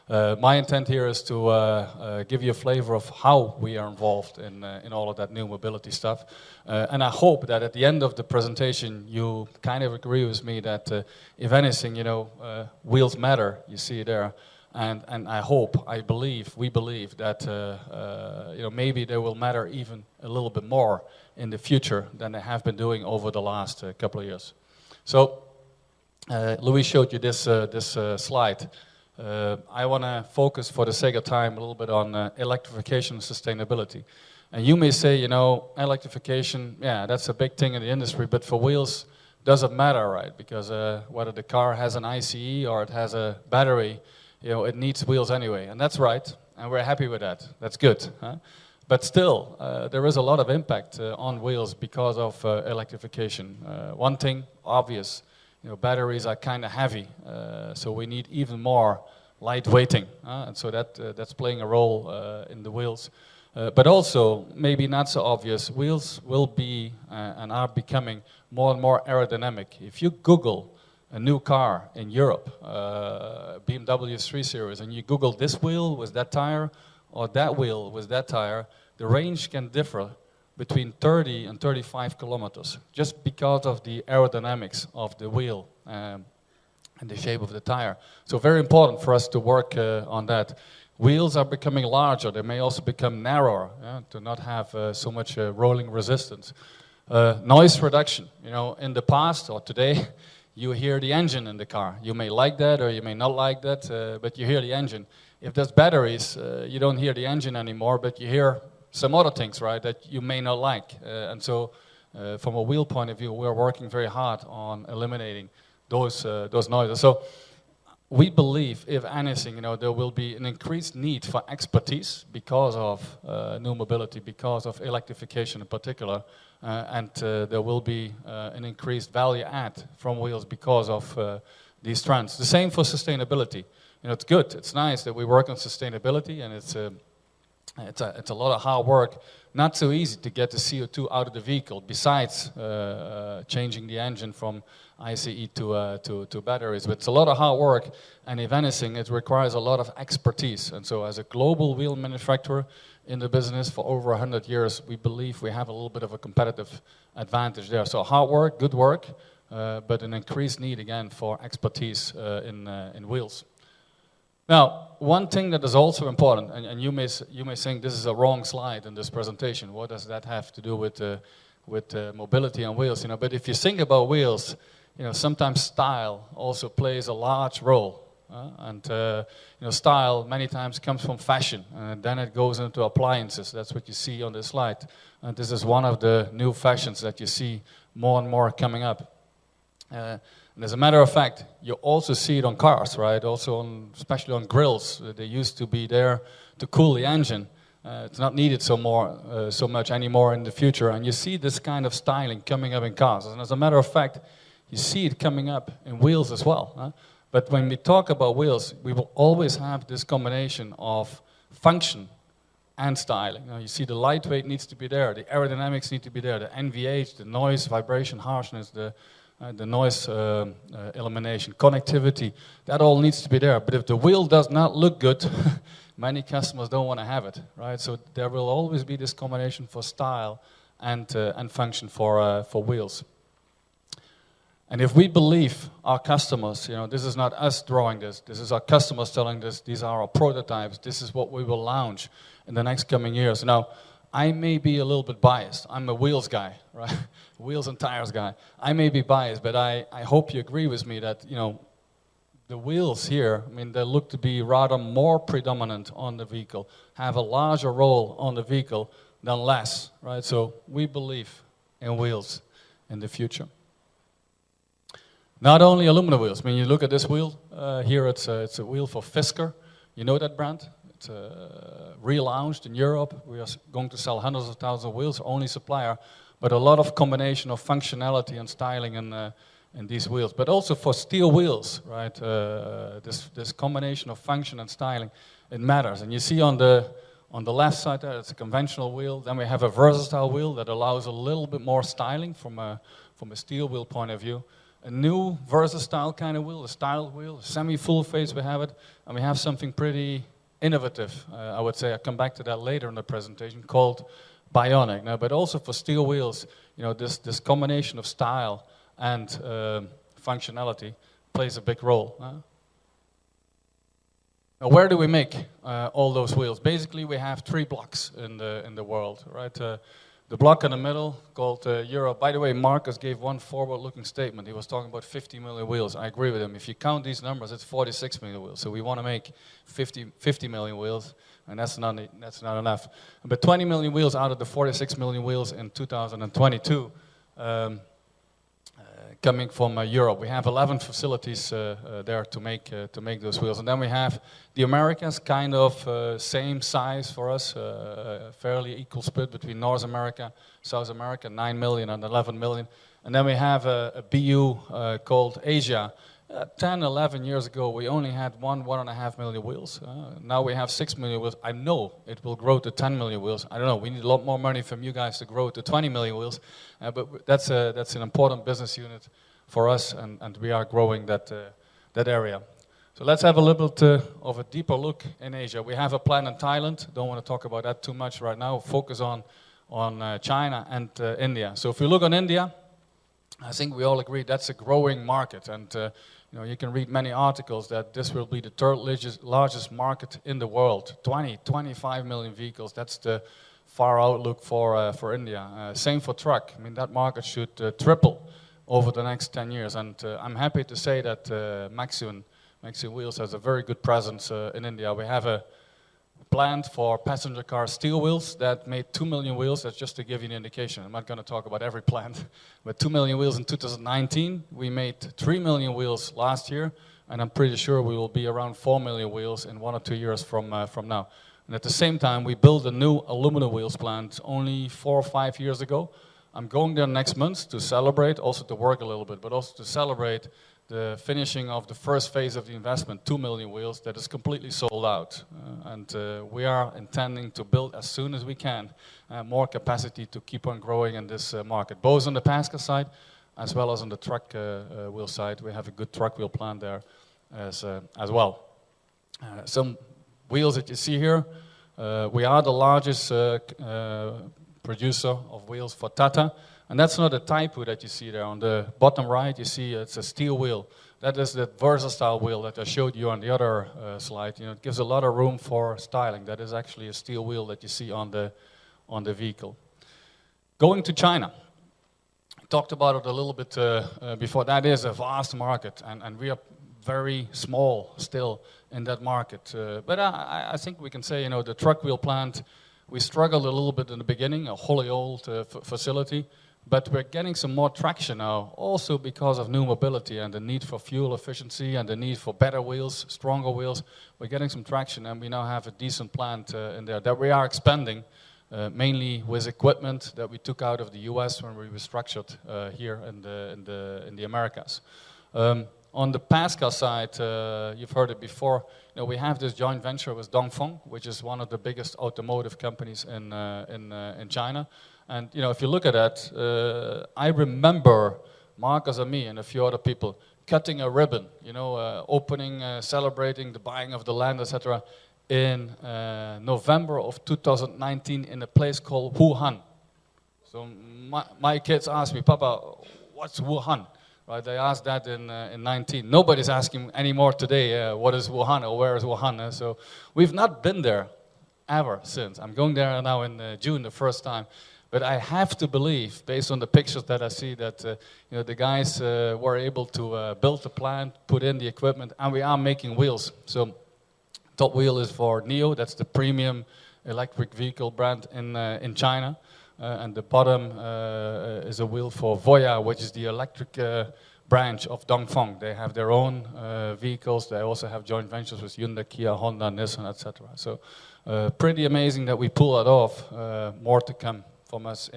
My intent here is to give you a flavor of how we are involved in all of that new mobility stuff. I hope that at the end of the presentation you'll kind of agree with me that, if anything, you know, wheels matter, you see there. I hope, I believe, we believe that, you know, maybe they will matter even a little bit more in the future than they have been doing over the last couple of years. Luiz showed you this slide. I wanna focus for the sake of time a little bit on electrification and sustainability. You may say, you know, electrification, yeah, that's a big thing in the industry, but for wheels doesn't matter, right? Because whether the car has an ICE or it has a battery, you know, it needs wheels anyway. That's right, and we're happy with that. That's good, huh? Still, there is a lot of impact on wheels because of electrification. One thing obvious, you know, batteries are kinda heavy. We need even more light weighting, huh? That, that's playing a role in the wheels. Also maybe not so obvious, wheels will be and are becoming more and more aerodynamic. If you google a new car in Europe, BMW 3 Series, and you google this wheel with that tire or that wheel with that tire, the range can differ between 30 and 35 kilometers just because of the aerodynamics of the wheel and the shape of the tire. Very important for us to work on that. Wheels are becoming larger. They may also become narrower, yeah, to not have so much rolling resistance. Noise reduction. You know, in the past or today, you hear the engine in the car. You may like that or you may not like that, but you hear the engine. If there's batteries, you don't hear the engine anymore, but you hear some other things, right, that you may not like. From a wheel point of view, we are working very hard on eliminating those noises. We believe if anything, you know, there will be an increased need for expertise because of new mobility, because of electrification in particular. There will be an increased value add from wheels because of these trends. The same for sustainability. You know, it's good, it's nice that we work on sustainability and it's a lot of hard work. Not so easy to get the CO2 out of the vehicle besides changing the engine from ICE to batteries. It's a lot of hard work and if anything, it requires a lot of expertise. As a global wheel manufacturer in the business for over 100 years, we believe we have a little bit of a competitive advantage there. Hard work, good work, but an increased need again for expertise in wheels. One thing that is also important, and you may think this is a wrong slide in this presentation. What does that have to do with mobility and wheels, you know? If you think about wheels, you know, sometimes style also plays a large role, huh? You know, style many times comes from fashion, then it goes into appliances. That's what you see on this slide. This is one of the new fashions that you see more and more coming up. As a matter of fact, you also see it on cars, right? Also on, especially on grilles. They used to be there to cool the engine. It's not needed so much anymore in the future. You see this kind of styling coming up in cars. As a matter of fact, you see it coming up in wheels as well, huh? When we talk about wheels, we will always have this combination of function and styling. You know, you see the lightweight needs to be there, the aerodynamics need to be there, the NVH, the noise, vibration, harshness, the noise elimination, connectivity, that all needs to be there. If the wheel does not look good, many customers don't wanna have it, right? There will always be this combination for style and function for wheels. If we believe our customers, you know, this is not us drawing this is our customers telling us these are our prototypes. This is what we will launch in the next coming years. I may be a little bit biased. I'm a wheels guy, right? Wheels and tires guy. I may be biased, but I hope you agree with me that, you know, the wheels here, I mean they look to be rather more predominant on the vehicle, have a larger role on the vehicle than less, right? We believe in wheels in the future. Not only aluminum wheels. I mean, you look at this wheel. Here it's a wheel for Fisker. You know that brand? It's relaunched in Europe. We are going to sell hundreds of thousands of wheels, only supplier, but a lot of combination of functionality and styling in these wheels. Also for steel wheels, right? This combination of function and styling, it matters. You see on the left side there, that's a conventional wheel. We have a VersaStyle wheel that allows a little bit more styling from a steel wheel point of view. A new VersaStyle kind of wheel, a styled wheel, semi full face we have it, and we have something pretty innovative, I would say, I come back to that later in the presentation, called Bionic. Also for steel wheels, you know, this combination of style and functionality plays a big role, huh? Where do we make all those wheels? Basically, we have three blocks in the world, right? The block in the middle called Europe. By the way, Marcos gave one forward-looking statement. He was talking about 50 million wheels. I agree with him. If you count these numbers, it's 46 million wheels. We wanna make 50 million wheels, that's not enough. 20 million wheels out of the 46 million wheels in 2022 coming from Europe. We have 11 facilities there to make those wheels. We have the Americans kind of same size for us, fairly equal split between North America, South America, 9 million and 11 million. We have a BU called Asia. 10, 11 years ago, we only had 1.5 million wheels. Now we have 6 million wheels. I know it will grow to 10 million wheels. I don't know. We need a lot more money from you guys to grow to 20 million wheels. That's an important business unit for us, and we are growing that area. Let's have a little bit of a deeper look in Asia. We have a plant in Thailand. Don't wanna talk about that too much right now. Focus on China and India. If we look on India, I think we all agree that's a growing market. You know, you can read many articles that this will be the third largest market in the world. 20-25 million vehicles, that's the far outlook for India. Same for truck. I mean, that market should triple over the next 10 years. I'm happy to say that Maxion Wheels has a very good presence in India. We have a plant for passenger car steel wheels that made 2 million wheels. That's just to give you an indication. I'm not gonna talk about every plant. Two million wheels in 2019. We made 3 million wheels last year, and I'm pretty sure we will be around 4 million wheels in 1 or 2 years from now. At the same time, we built a new aluminum wheels plant only 4 or 5 years ago. I'm going there next month to celebrate, also to work a little bit, but also to celebrate the finishing of the first phase of the investment, 2 million wheels that is completely sold out. We are intending to build as soon as we can, more capacity to keep on growing in this market, both on the passenger side as well as on the truck wheel side. We have a good truck wheel plant there as well. Some wheels that you see here, we are the largest producer of wheels for Tata, and that's not a type that you see there. On the bottom right, you see it's a steel wheel. That is the VersaStyle wheel that I showed you on the other slide. You know, it gives a lot of room for styling. That is actually a steel wheel that you see on the, on the vehicle. Going to China. Talked about it a little bit before. That is a vast market, and we are very small still in that market. I think we can say, you know, the truck wheel plant, we struggled a little bit in the beginning, a wholly old facility, but we're getting some more traction now also because of new mobility and the need for fuel efficiency and the need for better wheels, stronger wheels. We're getting some traction, and we now have a decent plant in there that we are expanding mainly with equipment that we took out of the US when we restructured here in the Americas. On the passenger side, you've heard it before. You know, we have this joint venture with Dongfeng, which is one of the biggest automotive companies in China. You know, if you look at that, I remember Marcos and me and a few other people cutting a ribbon, you know, opening, celebrating the buying of the land, et cetera, in November of 2019 in a place called Wuhan. My kids asked me, "Papa, what's Wuhan?" Right? They asked that in 2019. Nobody's asking any more today, "What is Wuhan?" or "Where is Wuhan?" We've not been there ever since. I'm going there now in June the first time. I have to believe, based on the pictures that I see, that, you know, the guys were able to build the plant, put in the equipment, and we are making wheels. Top wheel is for NIO. That's the premium electric vehicle brand in China. The bottom is a wheel for Voyah, which is the electric branch of Dongfeng. They have their own vehicles. They also have joint ventures with Hyundai, Kia, Honda, Nissan, et cetera. Pretty amazing that we pull that off. More to come from us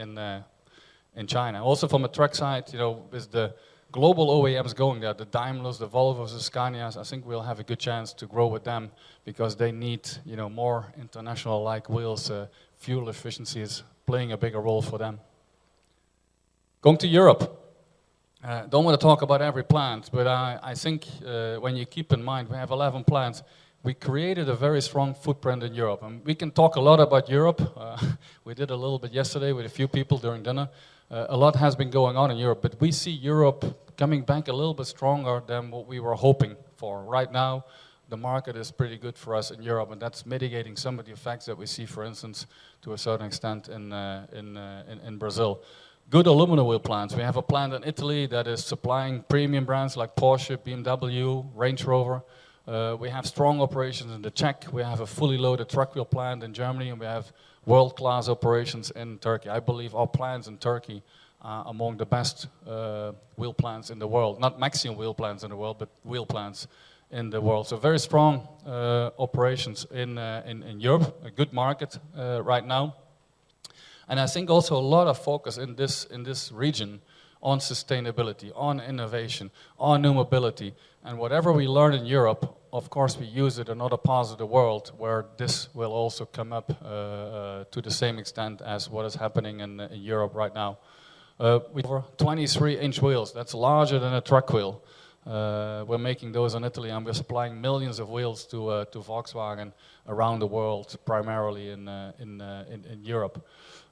in China. Also from a truck side, you know, with the global OEMs going there, the Daimlers, the Volvos, the Scanias, I think we'll have a good chance to grow with them because they need, you know, more international-like wheels. Fuel efficiency is playing a bigger role for them. Going to Europe. Don't wanna talk about every plant, but I think when you keep in mind we have 11 plants, we created a very strong footprint in Europe. We can talk a lot about Europe. We did a little bit yesterday with a few people during dinner. A lot has been going on in Europe. We see Europe coming back a little bit stronger than what we were hoping for. Right now, the market is pretty good for us in Europe, and that's mitigating some of the effects that we see, for instance, to a certain extent in Brazil. Good aluminum wheel plants. We have a plant in Italy that is supplying premium brands like Porsche, BMW, Range Rover. We have strong operations in the Czech. We have a fully loaded truck wheel plant in Germany, and we have world-class operations in Turkey. I believe our plants in Turkey are among the best wheel plants in the world, not Maxion wheel plants in the world, but wheel plants in the world. Very strong operations in Europe, a good market right now. I think also a lot of focus in this region on sustainability, on innovation, on new mobility. Whatever we learn in Europe, of course, we use it in other parts of the world where this will also come up to the same extent as what is happening in Europe right now. 23 inch wheels, that's larger than a truck wheel. We're making those in Italy, and we're supplying millions of wheels to Volkswagen around the world, primarily in Europe.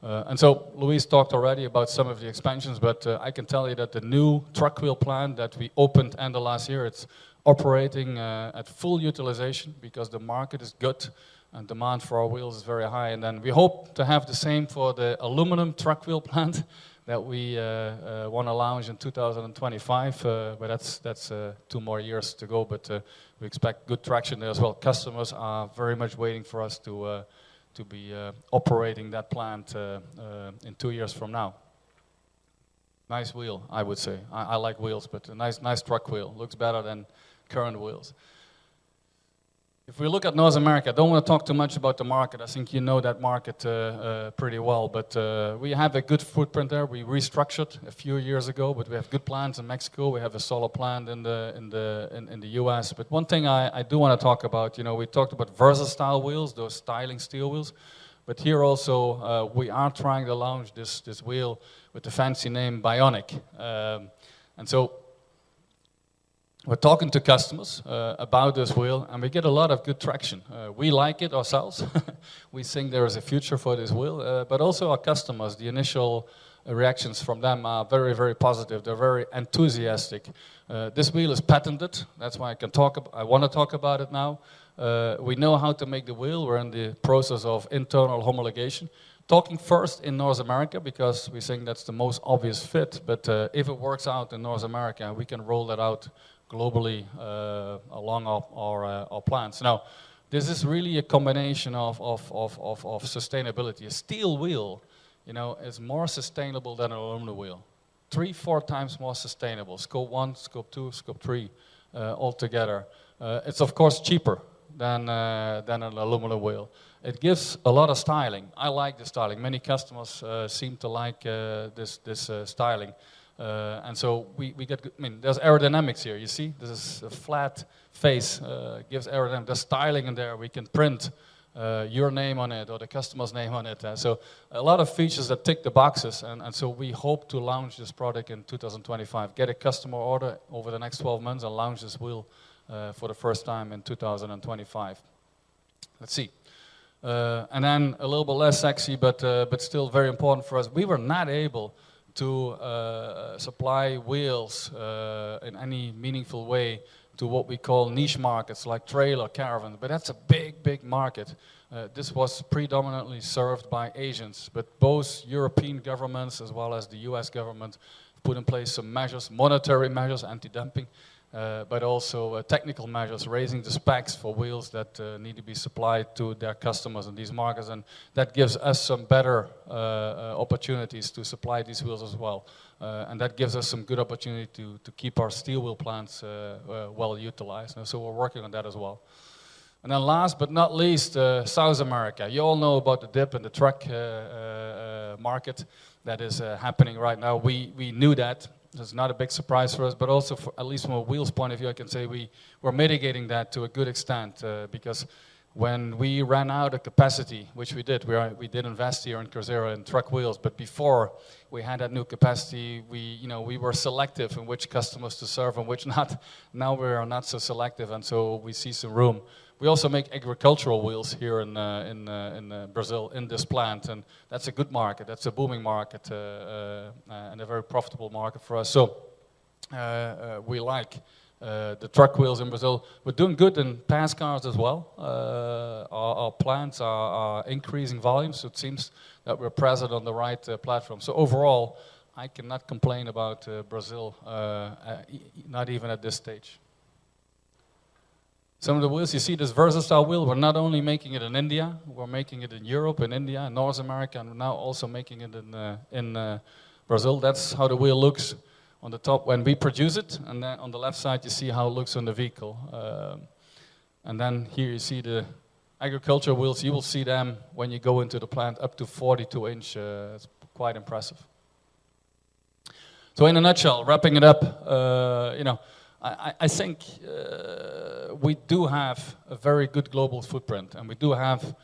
Luis talked already about some of the expansions, but I can tell you that the new truck wheel plant that we opened end of last year, it's operating at full utilization because the market is good and demand for our wheels is very high. We hope to have the same for the aluminum truck wheel plant that we wanna launch in 2025. That's 2 more years to go, we expect good traction there as well. Customers are very much waiting for us to be operating that plant in 2 years from now. Nice wheel, I would say. I like wheels, but a nice truck wheel. Looks better than current wheels. If we look at North America, don't wanna talk too much about the market. I think you know that market pretty well, but we have a good footprint there. We restructured a few years ago, but we have good plants in Mexico. We have a solar plant in the U.S. One thing I do wanna talk about, you know, we talked about VersaStyle wheels, those styling steel wheels. Here also, we are trying to launch this wheel with the fancy name Bionic. We're talking to customers about this wheel, and we get a lot of good traction. We like it ourselves. We think there is a future for this wheel. Also our customers, the initial reactions from them are very, very positive. They're very enthusiastic. This wheel is patented, that's why I can talk about it now. We know how to make the wheel. We're in the process of internal homologation. Talking first in North America because we think that's the most obvious fit, but if it works out in North America, we can roll it out globally along our plants. Now, this is really a combination of sustainability. A steel wheel, you know, is more sustainable than an aluminum wheel. three, four times more sustainable, Scope 1, Scope 2, Scope 3 all together. It's of course cheaper than an aluminum wheel. It gives a lot of styling. I like the styling. Many customers seem to like this styling. So we get good... I mean, there's aerodynamics here, you see? This is a flat face, gives the styling in there, we can print your name on it or the customer's name on it. A lot of features that tick the boxes and so we hope to launch this product in 2025. Get a customer order over the next 12 months and launch this wheel, for the first time in 2025. Let's see. A little bit less sexy, but still very important for us, we were not able to, supply wheels, in any meaningful way to what we call niche markets, like trailer, caravan, but that's a big, big market. This was predominantly served by Asians, but both European governments as well as the U.S. government have put in place some measures, monetary measures, anti-dumping, but also technical measures, raising the specs for wheels that need to be supplied to their customers in these markets. That gives us some better opportunities to supply these wheels as well. That gives us some good opportunity to keep our steel wheel plants well-utilized. We're working on that as well. Last but not least, South America. You all know about the dip in the truck market that is happening right now. We knew that. That's not a big surprise for us. Also for, at least from a wheels point of view, I can say we're mitigating that to a good extent, because when we ran out of capacity, which we did, we did invest here in Cruzeiro, in truck wheels, but before we had that new capacity, we, you know, we were selective in which customers to serve and which not. Now we are not so selective, we see some room. We also make agricultural wheels here in Brazil, in this plant, and that's a good market. That's a booming market and a very profitable market for us. We like the truck wheels in Brazil. We're doing good in pass cars as well. Our plants are increasing volume, so it seems that we're present on the right platform. Overall, I cannot complain about Brazil, not even at this stage. Some of the wheels, you see this VersaStyle wheel. We're not only making it in India, we're making it in Europe, in India, in North America, and we're now also making it in Brazil. That's how the wheel looks on the top when we produce it, and then on the left side, you see how it looks on the vehicle. And then here you see the agriculture wheels. You will see them when you go into the plant, up to 42 inch. It's quite impressive. In a nutshell, wrapping it up, you know, I think we do have a very good global footprint, and we do have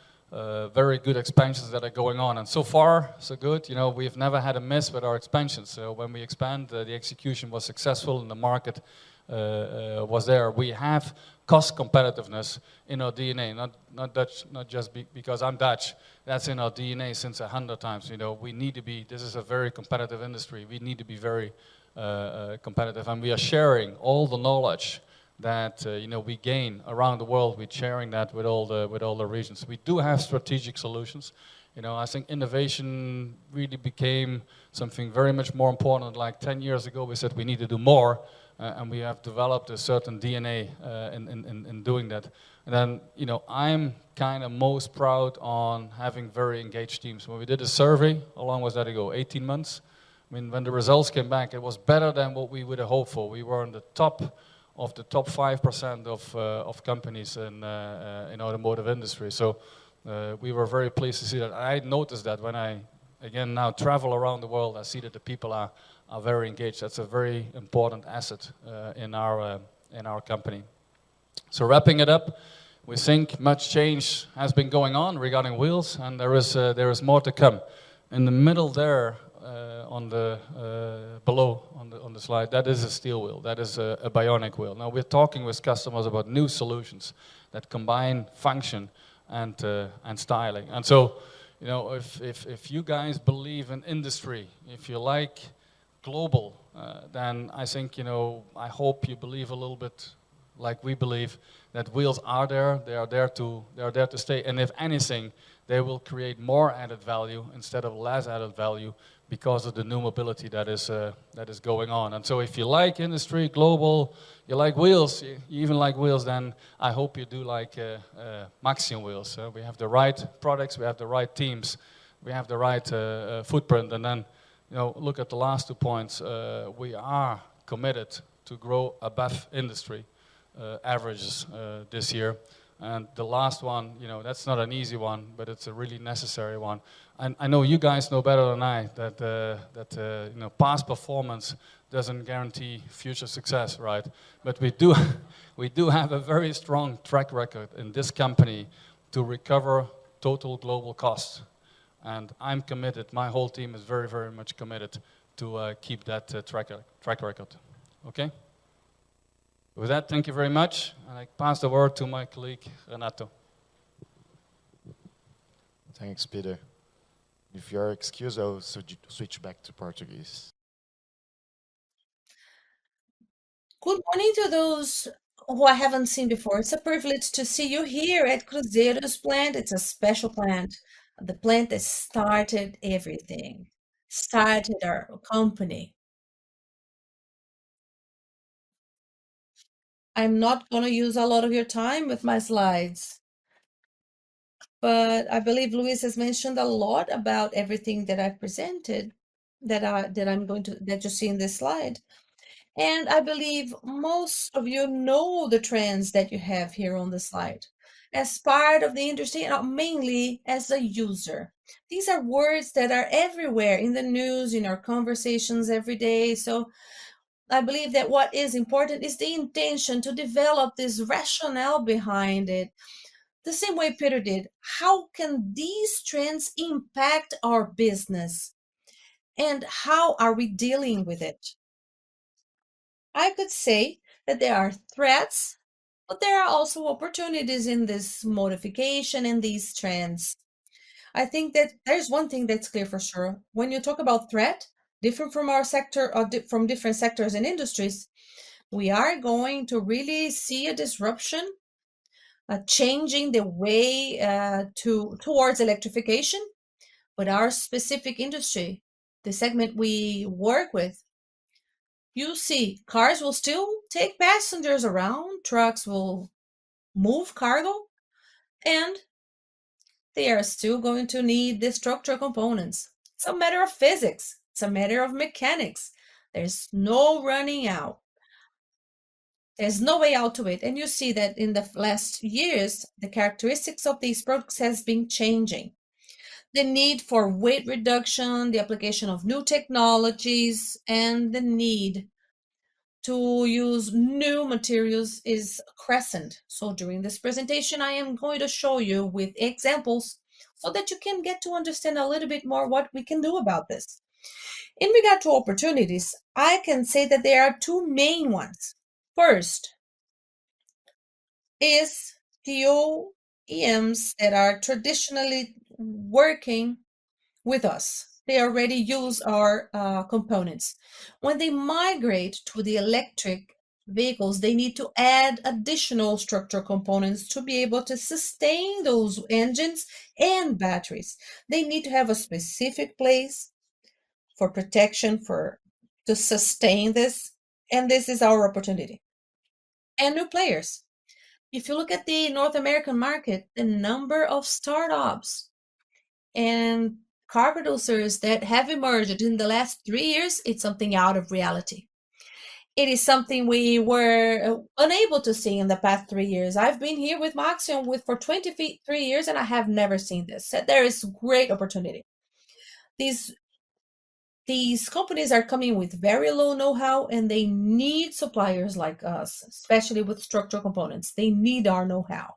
very good expansions that are going on, and so far, so good. You know, we've never had a miss with our expansions. When we expand, the execution was successful and the market was there. We have cost competitiveness in our DNA, not Dutch, not just because I'm Dutch. That's in our DNA since 100 times. You know, we need to be. This is a very competitive industry. We need to be very competitive. We are sharing all the knowledge that, you know, we gain around the world. We're sharing that with all the regions. We do have strategic solutions. You know, I think innovation really became something very much more important. Like 10 years ago, we said we need to do more, and we have developed a certain DNA in doing that. You know, I'm kind of most proud on having very engaged teams. When we did a survey, how long was that ago? 18 months. I mean, when the results came back, it was better than what we would've hoped for. We were in the top of the top 5% of companies in automotive industry. We were very pleased to see that. I noticed that when I, again, now travel around the world, I see that the people are very engaged. That's a very important asset in our company. Wrapping it up, we think much change has been going on regarding wheels, and there is more to come. In the middle there, on the below on the slide, that is a steel wheel. That is a Bionic wheel. Now, we're talking with customers about new solutions that combine function and styling. You know, if you guys believe in industry, if you like global, then I think, you know, I hope you believe a little bit like we believe that wheels are there to stay. If anything, they will create more added value instead of less added value because of the new mobility that is going on. If you like industry, global, you like wheels, you even like wheels, then I hope you do like Maxion Wheels. We have the right products, we have the right teams, we have the right footprint. Then, you know, look at the last two points. We are committed to grow above industry averages this year. The last one, you know, that's not an easy one, but it's a really necessary one. I know you guys know better than I that, you know, past performance doesn't guarantee future success, right? We do have a very strong track record in this company to recover total global costs. I'm committed, my whole team is very, very much committed to keep that track record. Okay? With that, thank you very much, and I pass the word to my colleague, Renato. Thanks, Pieter. With your excuse, I will switch back to Portuguese. Good morning to those who I haven't seen before. It's a privilege to see you here at Cruzeiro's plant. It's a special plant, the plant that started everything, started our company. I'm not gonna use a lot of your time with my slides, but I believe Luis has mentioned a lot about everything that I've presented, that you see in this slide. I believe most of you know the trends that you have here on the slide, as part of the industry and mainly as a user. These are words that are everywhere, in the news, in our conversations every day. I believe that what is important is the intention to develop this rationale behind it, the same way Pieter did. How can these trends impact our business, and how are we dealing with it? I could say that there are threats, there are also opportunities in this modification and these trends. I think that there's one thing that's clear for sure. When you talk about threat, different from our sector or from different sectors and industries, we are going to really see a disruption changing the way towards electrification. Our specific industry, the segment we work with, you'll see cars will still take passengers around, trucks will move cargo, and they are still going to need the structural components. It's a matter of physics. It's a matter of mechanics. There's no running out. There's no way out to it. You see that in the last years, the characteristics of these products has been changing. The need for weight reduction, the application of new technologies, and the need to use new materials is crescent. During this presentation, I am going to show you with examples so that you can get to understand a little bit more what we can do about this. In regard to opportunities, I can say that there are two main ones. First is OEMs that are traditionally working with us. They already use our components. When they migrate to the electric vehicles, they need to add additional structural components to be able to sustain those engines and batteries. They need to have a specific place for protection to sustain this is our opportunity. New players. If you look at the North American market, the number of startups and car producers that have emerged in the last three years, it's something out of reality. It is something we were unable to see in the past three years. I've been here with Maxion for 23 years. I have never seen this. There is great opportunity. These companies are coming with very low know-how. They need suppliers like us, especially with structural components. They need our know-how.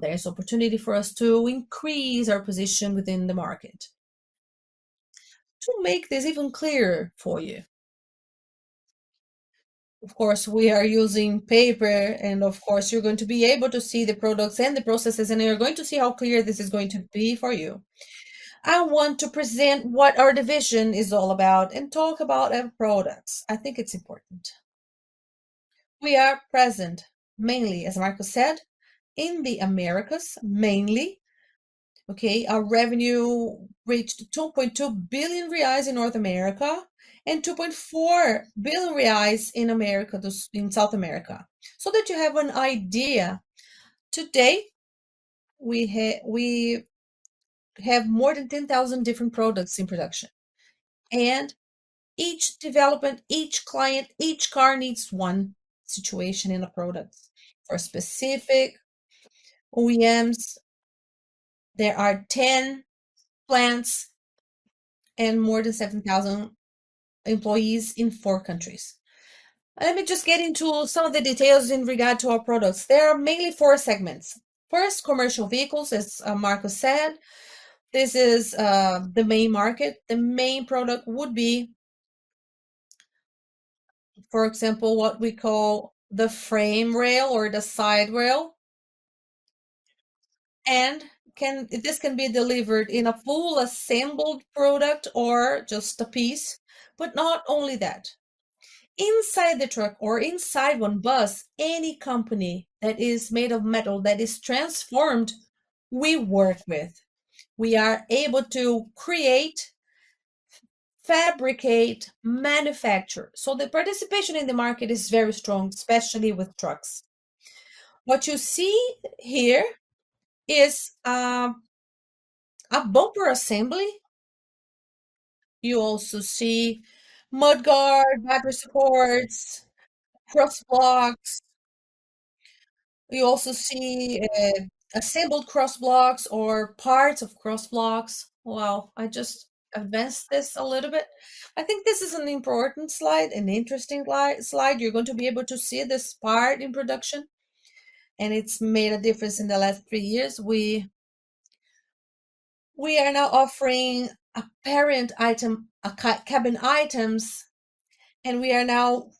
There's opportunity for us to increase our position within the market. To make this even clearer for you, of course, we are using paper. Of course, you're going to be able to see the products and the processes. You're going to see how clear this is going to be for you. I want to present what our division is all about and talk about our products. I think it's important. We are present mainly, as Marco said, in the Americas, mainly. Okay, our revenue reached 2.2 billion reais in North America and 2.4 billion reais in South America. That you have an idea, today we have more than 10,000 different products in production. Each development, each client, each car needs one situation in a product. For specific OEMs, there are 10 plants and more than 7,000 employees in four countries. Let me just get into some of the details in regard to our products. There are mainly four segments. First, commercial vehicles, as Marco said. This is the main market. The main product would be, for example, what we call the frame rail or the side rail. This can be delivered in a full assembled product or just a piece. Not only that, inside the truck or inside one bus, any company that is made of metal that is transformed, we work with. We are able to create, fabricate, manufacture. The participation in the market is very strong, especially with trucks. What you see here is a bumper assembly. You also see mudguard, bumper supports, cross blocks. You also see assembled cross blocks or parts of cross blocks. I just advanced this a little bit. I think this is an important slide, an interesting slide. You're going to be able to see this part in production, it's made a difference in the last three years. We are now offering apparent item, a cabin items, we are now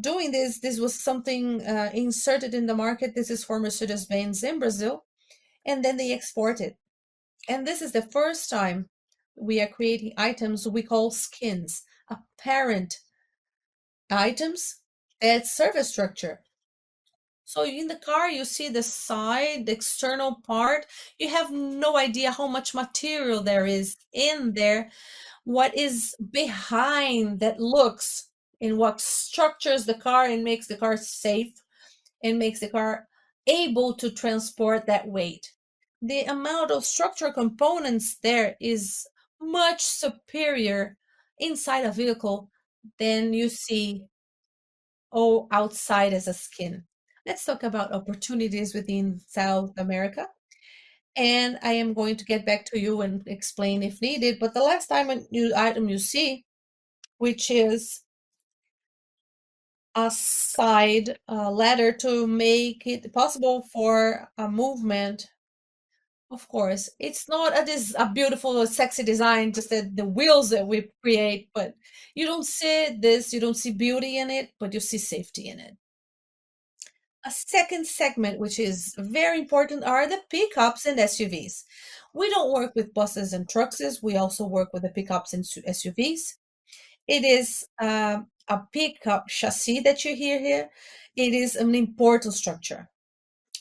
doing this. This was something inserted in the market. This is for Mercedes-Benz in Brazil, then they export it. This is the first time we are creating items we call skins, apparent items and service structure. In the car, you see the side, the external part. You have no idea how much material there is in there, what is behind the looks and what structures the car and makes the car safe and makes the car able to transport that weight. The amount of structural components there is much superior inside a vehicle than you see outside as a skin. Let's talk about opportunities within South America, and I am going to get back to you and explain if needed. The last time a new item you see, which is a side ladder to make it possible for a movement. Of course, it's not that it's a beautiful or sexy design, just the wheels that we create, but you don't see this, you don't see beauty in it, but you see safety in it. A second segment, which is very important, are the pickups and SUVs. We don't work with buses and trucks. We also work with the pickups and SUVs. It is a pickup chassis that you hear here. It is an important structure.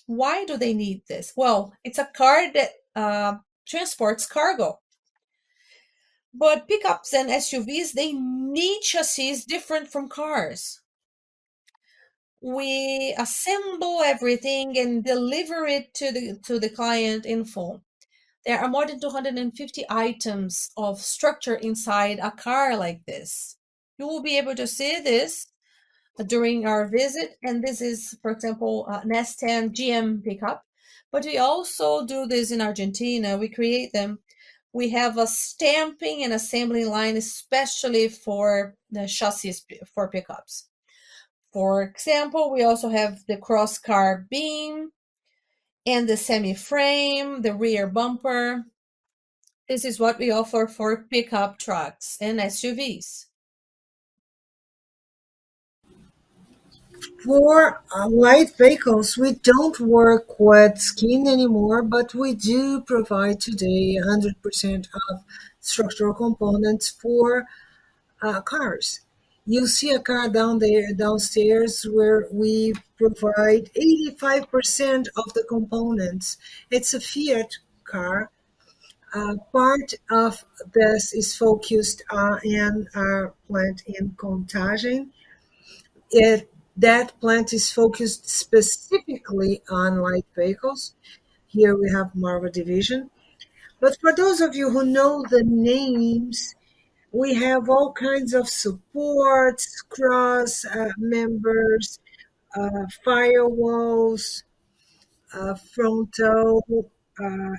Why do they need this? Well, it's a car that transports cargo. But pickups and SUVs, they need chassis different from cars. We assemble everything and deliver it to the client in full. There are more than 250 items of structure inside a car like this. You will be able to see this during our visit, and this is, for example, an S10 GM pickup. We also do this in Argentina. We create them. We have a stamping and assembly line especially for the chassis for pickups. For example, we also have the cross-car beam and the semi-frame, the rear bumper. This is what we offer for pickup trucks and SUVs. For light vehicles, we don't work with skin anymore, but we do provide today 100% of structural components for cars. You'll see a car down there, downstairs, where we provide 85% of the components. It's a Fiat car. Part of this is focused in our plant in Contagem. That plant is focused specifically on light vehicles. Here we have Magra Division. For those of you who know the names, we have all kinds of supports, crossmembers, firewalls, frontal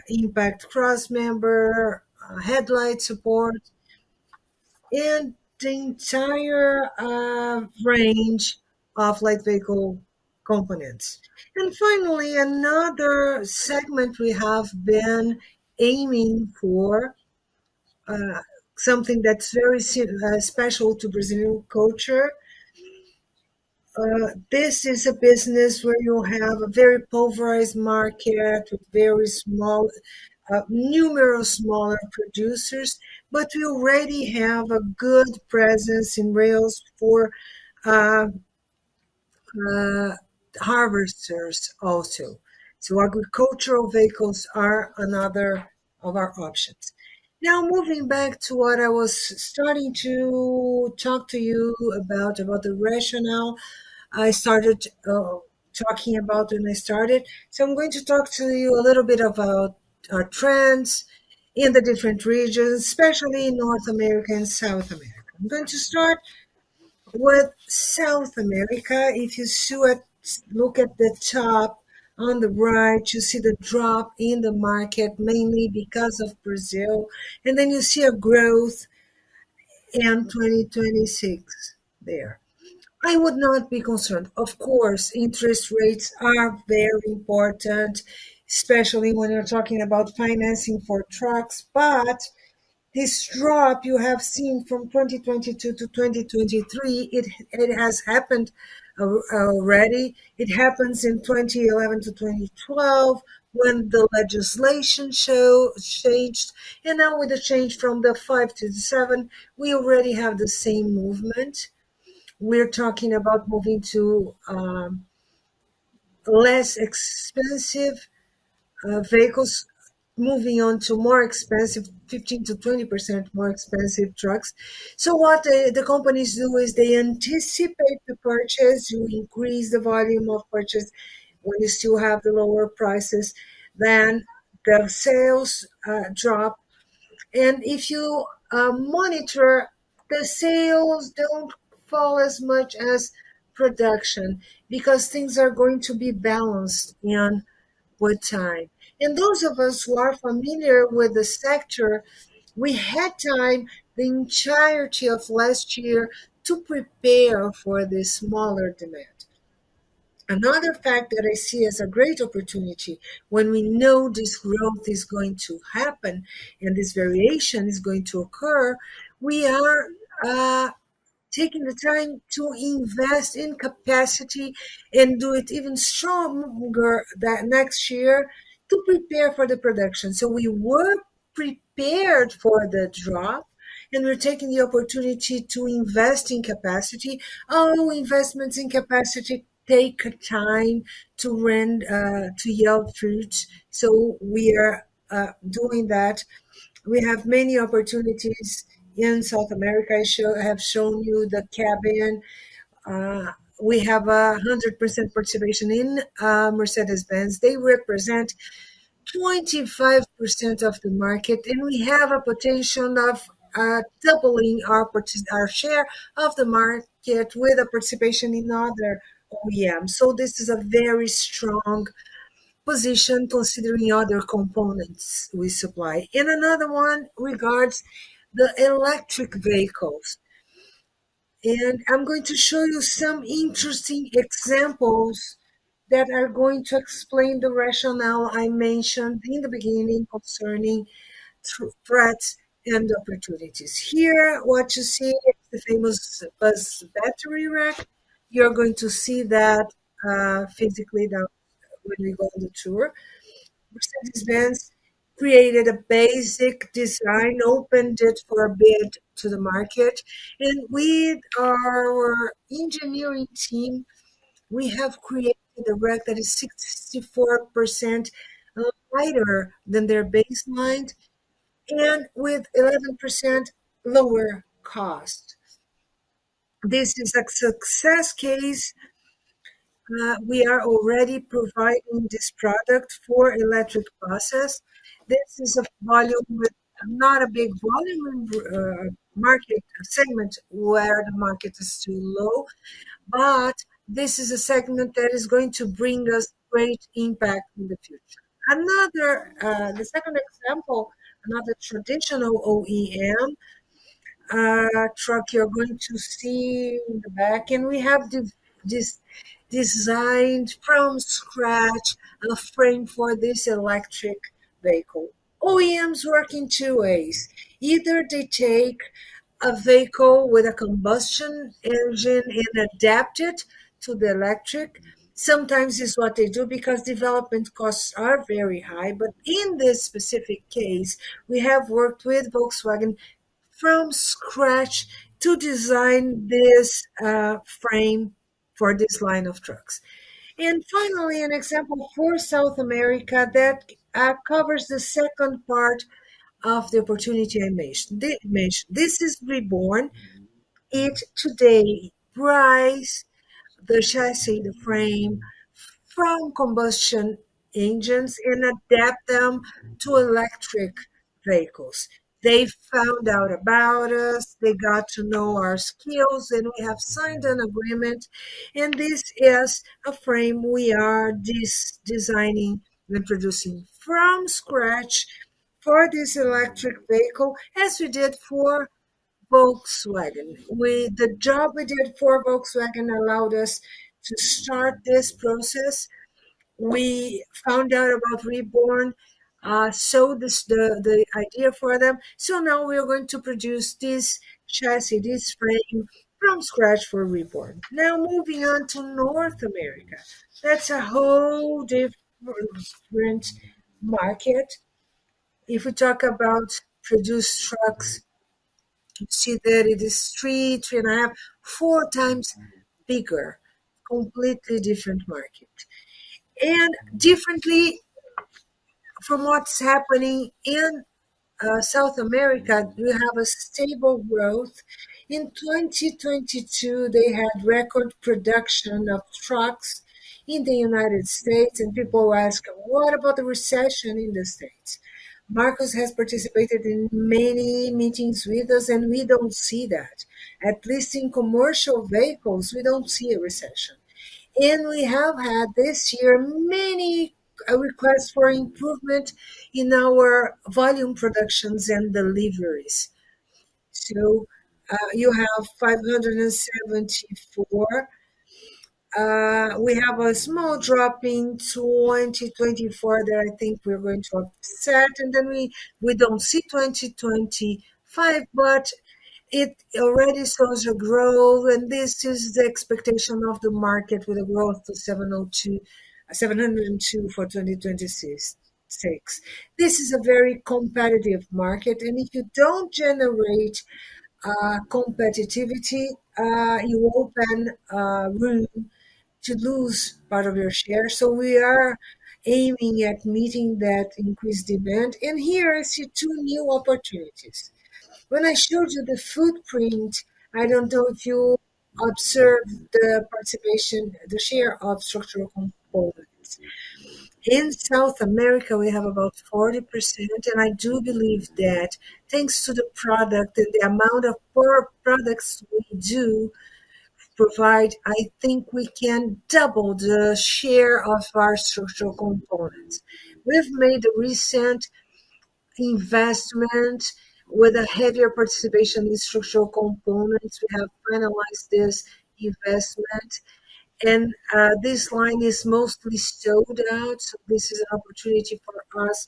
impact crossmember, headlight support, and the entire range of light vehicle components. Finally, another segment we have been aiming for, something that's very special to Brazilian culture. This is a business where you have a very pulverized market with very small, numerous smaller producers, but we already have a good presence in rails for harvesters also. Agricultural vehicles are another of our options. Moving back to what I was starting to talk to you about the rationale I started talking about when I started. I'm going to talk to you a little bit about our trends in the different regions, especially in North America and South America. I'm going to start with South America. If you see look at the top on the right, you see the drop in the market, mainly because of Brazil, then you see a growth in 2026 there. I would not be concerned. Of course, interest rates are very important, especially when you're talking about financing for trucks. This drop you have seen from 2022 to 2023, it has happened already. It happens in 2011 to 2012 when the legislation changed. Now with the change from the 5 to the 7, we already have the same movement. We're talking about moving to less expensive vehicles, moving on to more expensive, 15%-20% more expensive trucks. What the companies do is they anticipate the purchase, you increase the volume of purchase when you still have the lower prices, then the sales drop. If you monitor, the sales don't fall as much as production because things are going to be balanced in with time. Those of us who are familiar with the sector, we had time the entirety of last year to prepare for this smaller demand. Another fact that I see as a great opportunity when we know this growth is going to happen and this variation is going to occur, we are taking the time to invest in capacity and do it even stronger the next year to prepare for the production. We were prepared for the drop, and we're taking the opportunity to invest in capacity. Our new investments in capacity take time to yield fruits. We are doing that. We have many opportunities in South America. I have shown you the cabin. We have 100% participation in Mercedes-Benz. They represent 25% of the market, and we have a potential of doubling our share of the market with a participation in other OEM. This is a very strong position considering other components we supply. Another one regards the electric vehicles. I'm going to show you some interesting examples that are going to explain the rationale I mentioned in the beginning concerning threats and opportunities. Here, what you see is the famous bus battery rack. You're going to see that physically down when we go on the tour. Mercedes-Benz created a basic design, opened it for a bid to the market. With our engineering team, we have created a rack that is 64% lighter than their baseline and with 11% lower cost. This is a success case. We are already providing this product for electric buses. This is not a big volume market segment where the market is still low, but this is a segment that is going to bring us great impact in the future. The second example, another traditional OEM truck you're going to see in the back. We have designed from scratch a frame for this electric vehicle. OEMs work in two ways. Either they take a vehicle with a combustion engine and adapt it to the electric. Sometimes it's what they do because development costs are very high. In this specific case, we have worked with Volkswagen from scratch to design this frame for this line of trucks. Finally, an example for South America that covers the second part of the opportunity I mentioned. This is Reborn. It today buys the chassis, the frame from combustion engines and adapt them to electric vehicles. They found out about us, they got to know our skills, and we have signed an agreement. This is a frame we are designing and producing from scratch for this electric vehicle, as we did for Volkswagen. The job we did for Volkswagen allowed us to start this process. We found out about Reborn, sold the idea for them. Now we are going to produce this chassis, this frame from scratch for Reborn. Now, moving on to North America, that's a whole different market. If we talk about produced trucks, you can see that it is 3.5, 4 times bigger. Completely different market. Differently from what's happening in South America, you have a stable growth. In 2022, they had record production of trucks in the United States, people ask, "What about the recession in the States?" Marcos has participated in many meetings with us, we don't see that. At least in commercial vehicles, we don't see a recession. We have had this year many requests for improvement in our volume productions and deliveries. You have 574. We have a small drop in 2024 that I think we're going to offset. We don't see 2025, but it already shows a growth, and this is the expectation of the market with a growth to 702 for 2026. This is a very competitive market, if you don't generate competitivity, you open room to lose part of your share. We are aiming at meeting that increased demand. Here I see 2 new opportunities. When I showed you the footprint, I don't know if you observed the participation, the share of structural components. In South America, we have about 40%, and I do believe that thanks to the product and the amount of products we do provide, I think we can double the share of our structural components. We've made a recent investment with a heavier participation in structural components. We have finalized this investment, and this line is mostly sold out. This is an opportunity for us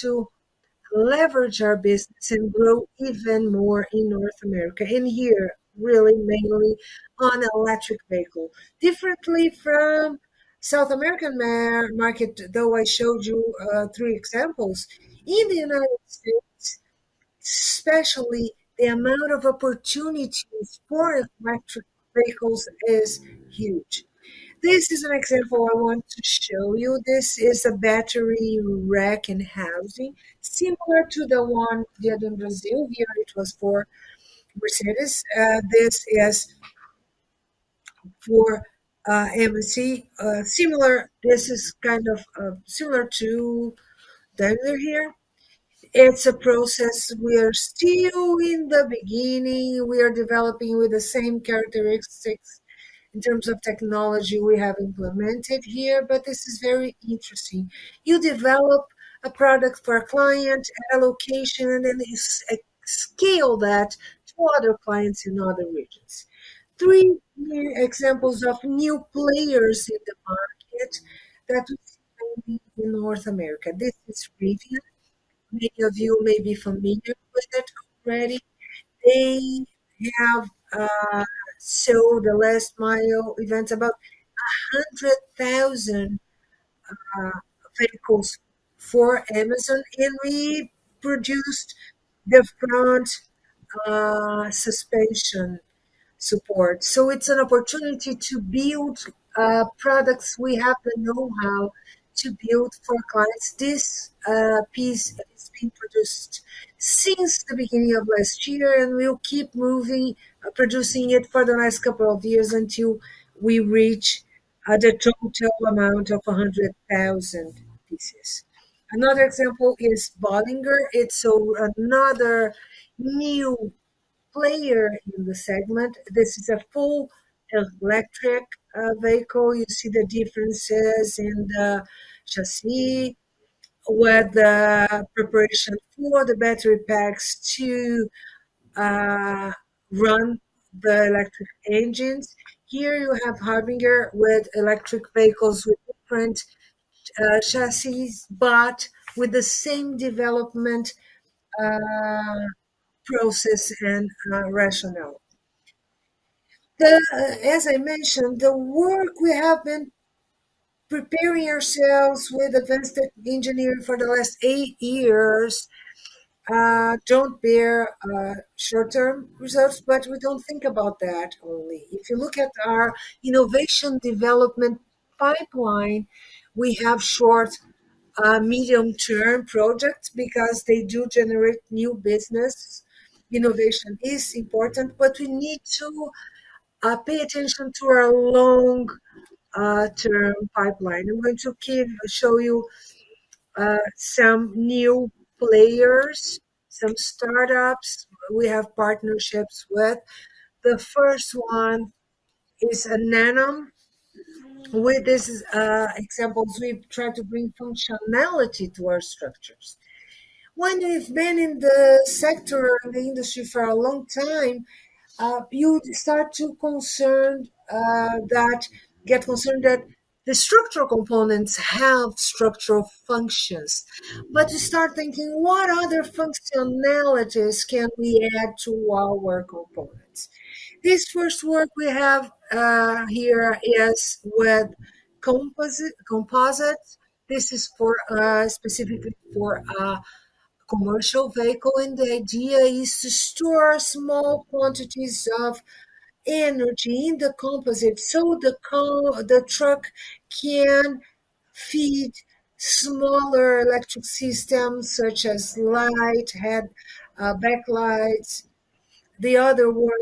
to leverage our business and grow even more in North America, and here, really mainly on electric vehicle. Differently from South American market, though I showed you 3 examples. In the United States, especially the amount of opportunities for electric vehicles is huge. This is an example I want to show you. This is a battery rack and housing similar to the one done in Brazil. Here it was for Mercedes. This is for AMC. This is kind of similar to Daimler here. It's a process. We are still in the beginning. We are developing with the same characteristics in terms of technology we have implemented here, but this is very interesting. You develop a product for a client, allocation, and you scale that to other clients in other regions. Three new examples of new players in the market that we see mainly in North America. This is Rivian. Many of you may be familiar with that company. They have sold the last mile events, about 100,000 vehicles for Amazon, and we produced the front suspension support. It's an opportunity to build products we have the know-how to build for clients. This piece has been produced since the beginning of last year, and we'll keep moving, producing it for the next couple of years until we reach the total amount of 100,000 pieces. Another example is Bollinger. It's another new player in the segment. This is a full electric vehicle. You see the differences in the chassis, with the preparation for the battery packs to run the electric engines. Here you have Harbinger with electric vehicles with different chassis, but with the same development process and rationale. As I mentioned, the work we have been preparing ourselves with advanced engineering for the last eight years don't bear short-term results, but we don't think about that only. If you look at our innovation development pipeline, we have short, medium-term projects because they do generate new business. Innovation is important. We need to pay attention to our long-term pipeline. I'm going to show you some new players, some startups we have partnerships with. The first one is Ananam, where this is examples we've tried to bring functionality to our structures. When you've been in the sector or the industry for a long time, you start to get concerned that the structural components have structural functions. You start thinking, "What other functionalities can we add to our components?" This first work we have here is with composites. This is for specifically for a commercial vehicle, and the idea is to store small quantities of energy in the composite, so the truck can feed smaller electric systems such as light, head, back lights. The other work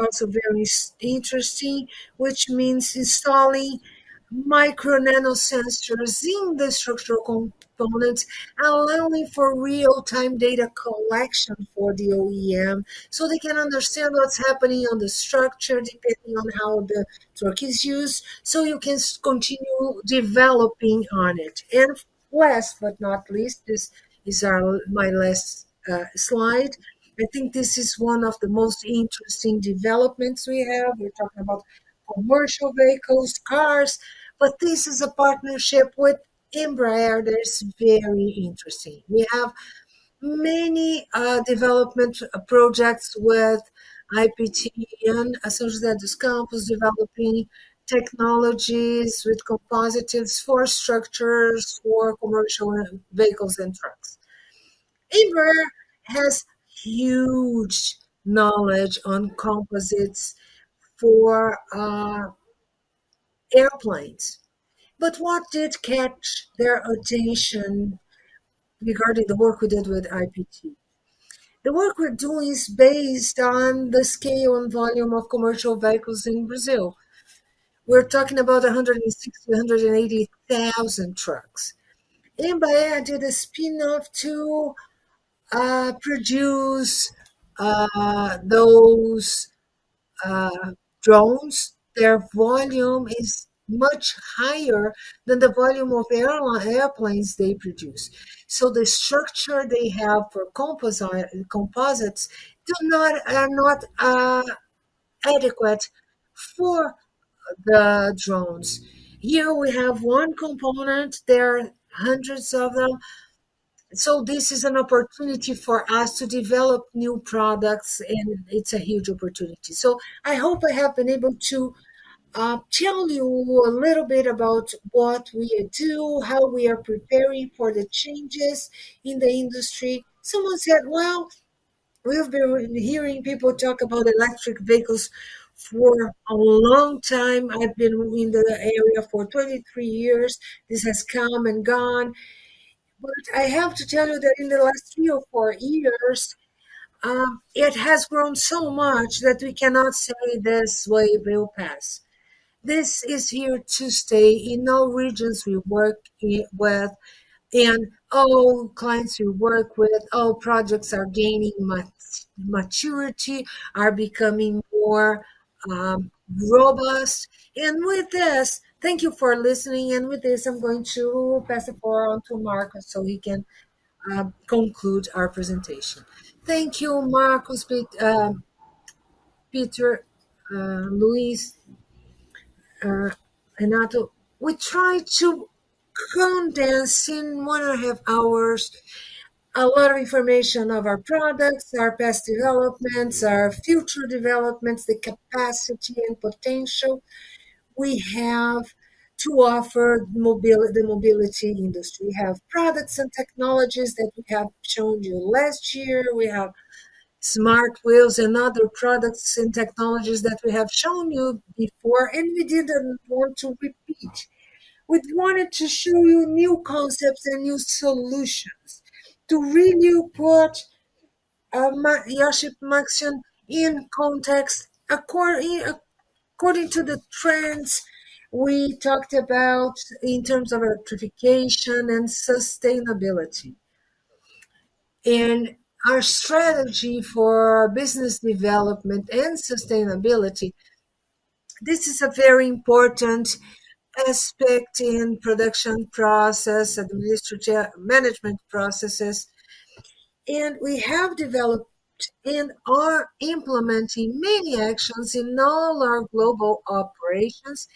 also very interesting, which means installing micro-nano sensors in the structural components are allowing for real-time data collection for the OEM, they can understand what's happening on the structure depending on how the truck is used, you can continue developing on it. Last but not least, this is my last slide. I think this is one of the most interesting developments we have. We're talking about commercial vehicles, cars, this is a partnership with Embraer that is very interesting. We have many development projects with IPT and Associação dos Campos developing technologies with composites for structures for commercial vehicles and trucks. Embraer has huge knowledge on composites for airplanes. What did catch their attention regarding the work we did with IPT? The work we're doing is based on the scale and volume of commercial vehicles in Brazil. We're talking about 160 to 180,000 trucks. Embraer did a spin-off to produce those drones. Their volume is much higher than the volume of airplanes they produce. The structure they have for composites are not adequate for the drones. Here we have one component. There are hundreds of them. This is an opportunity for us to develop new products, and it's a huge opportunity. I hope I have been able to tell you a little bit about what we do, how we are preparing for the changes in the industry. Someone said, "Well, we've been hearing people talk about electric vehicles for a long time." I've been in the area for 23 years. This has come and gone. I have to tell you that in the last three or four years, it has grown so much that we cannot say this wave will pass. This is here to stay. In all regions we work with, in all clients we work with, all projects are gaining maturity, are becoming more robust. With this, thank you for listening. With this, I'm going to pass it forward on to Marcos Oliveira so he can conclude our presentation. Thank you, Marcos Oliveira, Pieter Klinkers, Luis Fernando Abreu, Renato Brighenti. We try to condense in one and a half hours a lot of information of our products, our past developments, our future developments, the capacity and potential we have to offer the mobility industry. We have products and technologies that we have shown you last year. We have smart wheels and other products and technologies that we have shown you before, we didn't want to repeat. We wanted to show you new concepts and new solutions to really put your Maxion in context according to the trends we talked about in terms of electrification and sustainability. Our strategy for business development and sustainability, this is a very important aspect in production process, administrative management processes. We have developed and are implementing many actions in all our global operations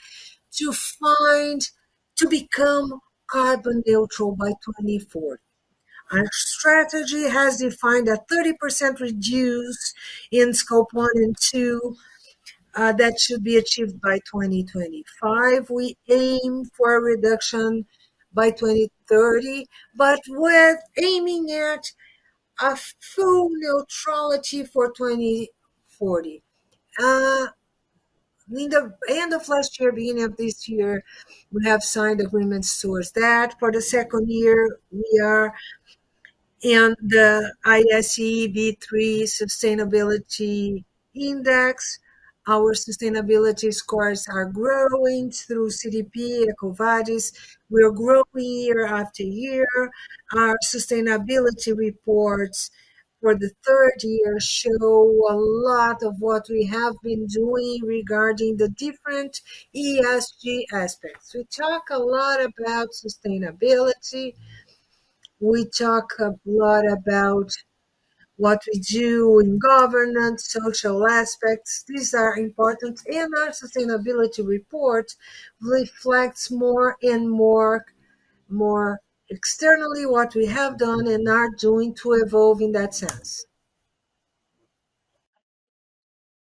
to become carbon neutral by 2024. Our strategy has defined a 30% reduce in Scope 1 and 2 that should be achieved by 2025. We aim for a reduction by 2030, we're aiming at a full neutrality for 2040. In the end of last year, beginning of this year, we have signed agreements towards that. For the second year, we are in the ISE B3 Sustainability Index. Our sustainability scores are growing through CDP, EcoVadis. We are growing year after year. Our sustainability reports for the third year show a lot of what we have been doing regarding the different ESG aspects. We talk a lot about sustainability. We talk a lot about what we do in governance, social aspects. These are important. Our sustainability report reflects more and more, more externally what we have done and are doing to evolve in that sense.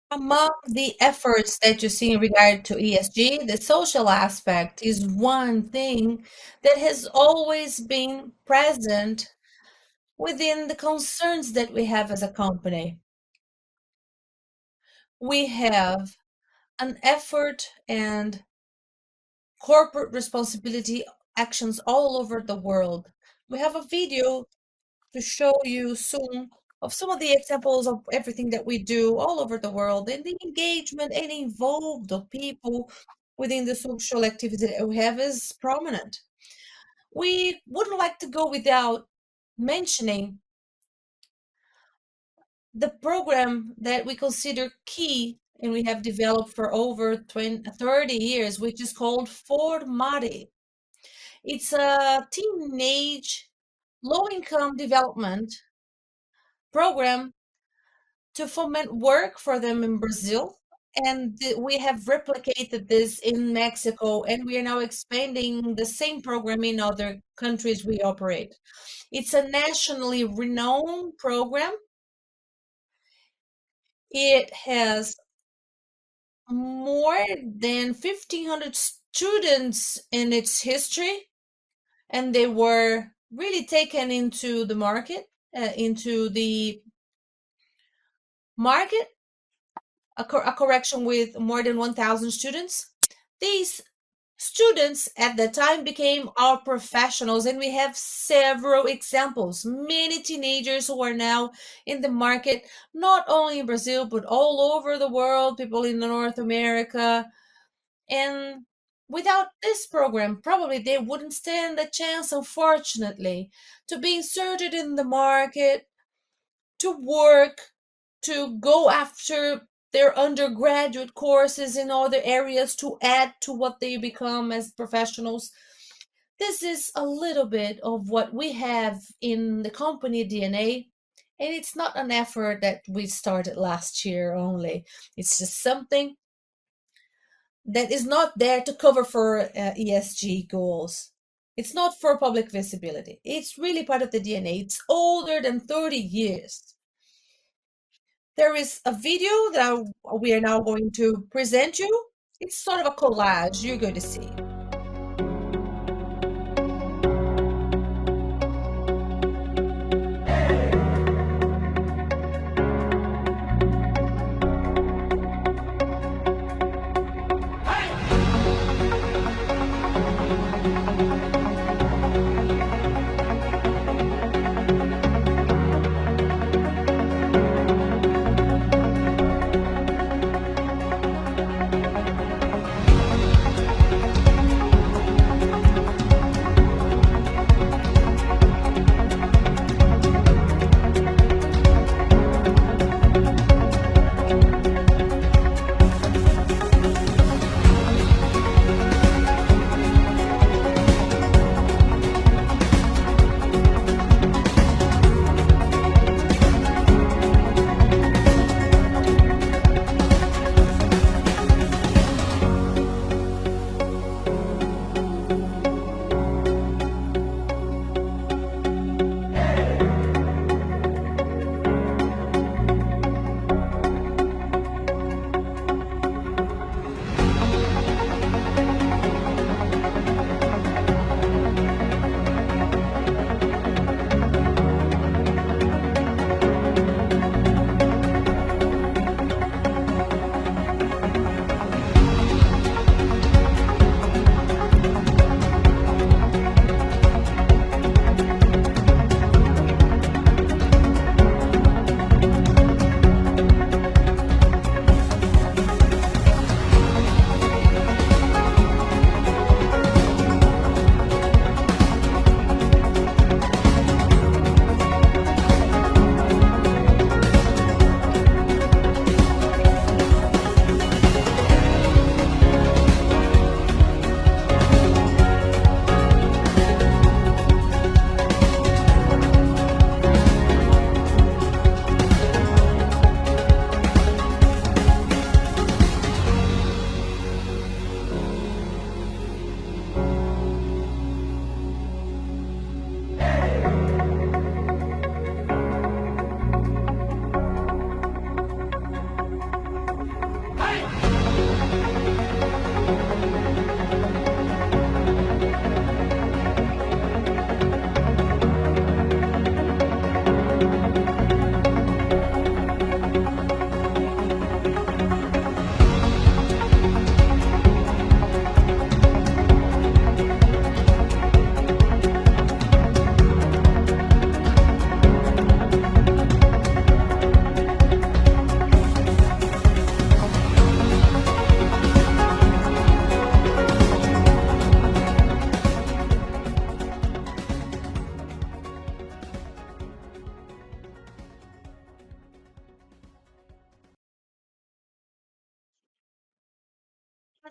Among the efforts that you see in regard to ESG, the social aspect is one thing that has always been present within the concerns that we have as a company. We have an effort and corporate responsibility actions all over the world. We have a video. To show you some of the examples of everything that we do all over the world, and the engagement and involved of people within the social activity that we have is prominent. We wouldn't like to go without mentioning the program that we consider key and we have developed for over 30 years, which is called Formare. It's a teenage low-income development program to foment work for them in Brazil, and we have replicated this in Mexico, and we are now expanding the same program in other countries we operate. It's a nationally renowned program. It has more than 1,500 students in its history, and they were really taken into the market. A correction with more than 1,000 students. These students at the time became our professionals, and we have several examples. Many teenagers who are now in the market, not only in Brazil, but all over the world, people in North America. Without this program, probably they wouldn't stand a chance, unfortunately, to be inserted in the market, to work, to go after their undergraduate courses in other areas to add to what they become as professionals. This is a little bit of what we have in the company DNA. It's not an effort that we started last year only. It's just something that is not there to cover for ESG goals. It's not for public visibility. It's really part of the DNA. It's older than 30 years. There is a video that we are now going to present you. It's sort of a collage. You're going to see.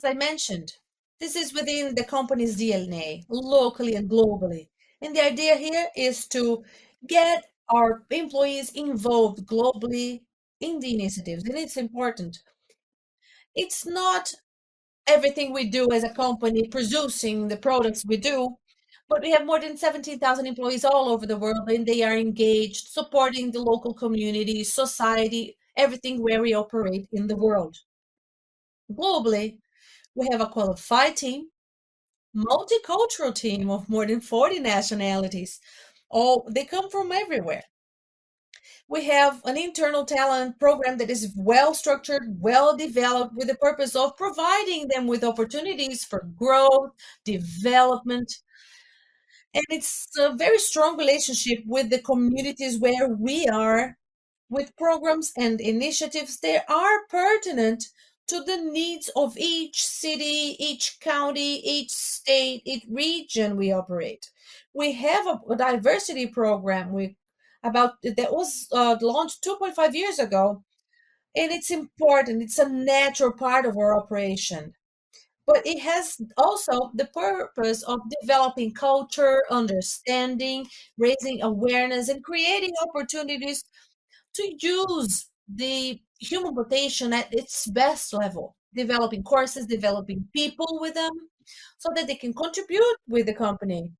As I mentioned, this is within the company's DNA, locally and globally. The idea here is to get our employees involved globally in the initiatives, and it's important. It's not everything we do as a company producing the products we do, but we have more than 17,000 employees all over the world, and they are engaged, supporting the local community, society, everything where we operate in the world. Globally, we have a qualified team, multicultural team of more than 40 nationalities. They come from everywhere. We have an internal talent program that is well-structured, well-developed, with the purpose of providing them with opportunities for growth, development, and it's a very strong relationship with the communities where we are with programs and initiatives that are pertinent to the needs of each city, each county, each state, each region we operate. We have a diversity program with about that was launched 2.5 years ago, and it's important. It's a natural part of our operation. It has also the purpose of developing culture, understanding, raising awareness, and creating opportunities to use the human rotation at its best level, developing courses, developing people with them so that they can contribute with the company,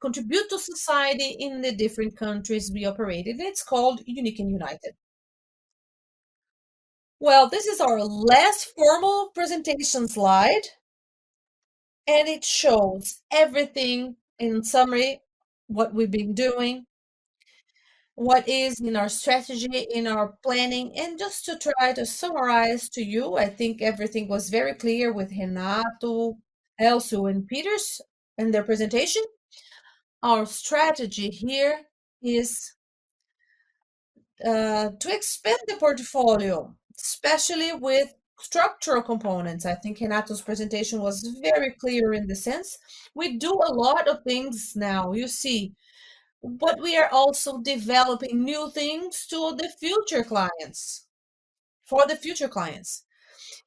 contribute to society in the different countries we operate in. It's called Unique and United. This is our last formal presentation slide, and it shows everything in summary, what we've been doing, what is in our strategy, in our planning, and just to try to summarize to you, I think everything was very clear with Renato, Elcio, and Pieter in their presentation. Our strategy here is to expand the portfolio, especially with structural components. I think Renato's presentation was very clear in the sense we do a lot of things now, you see, but we are also developing new things for the future clients.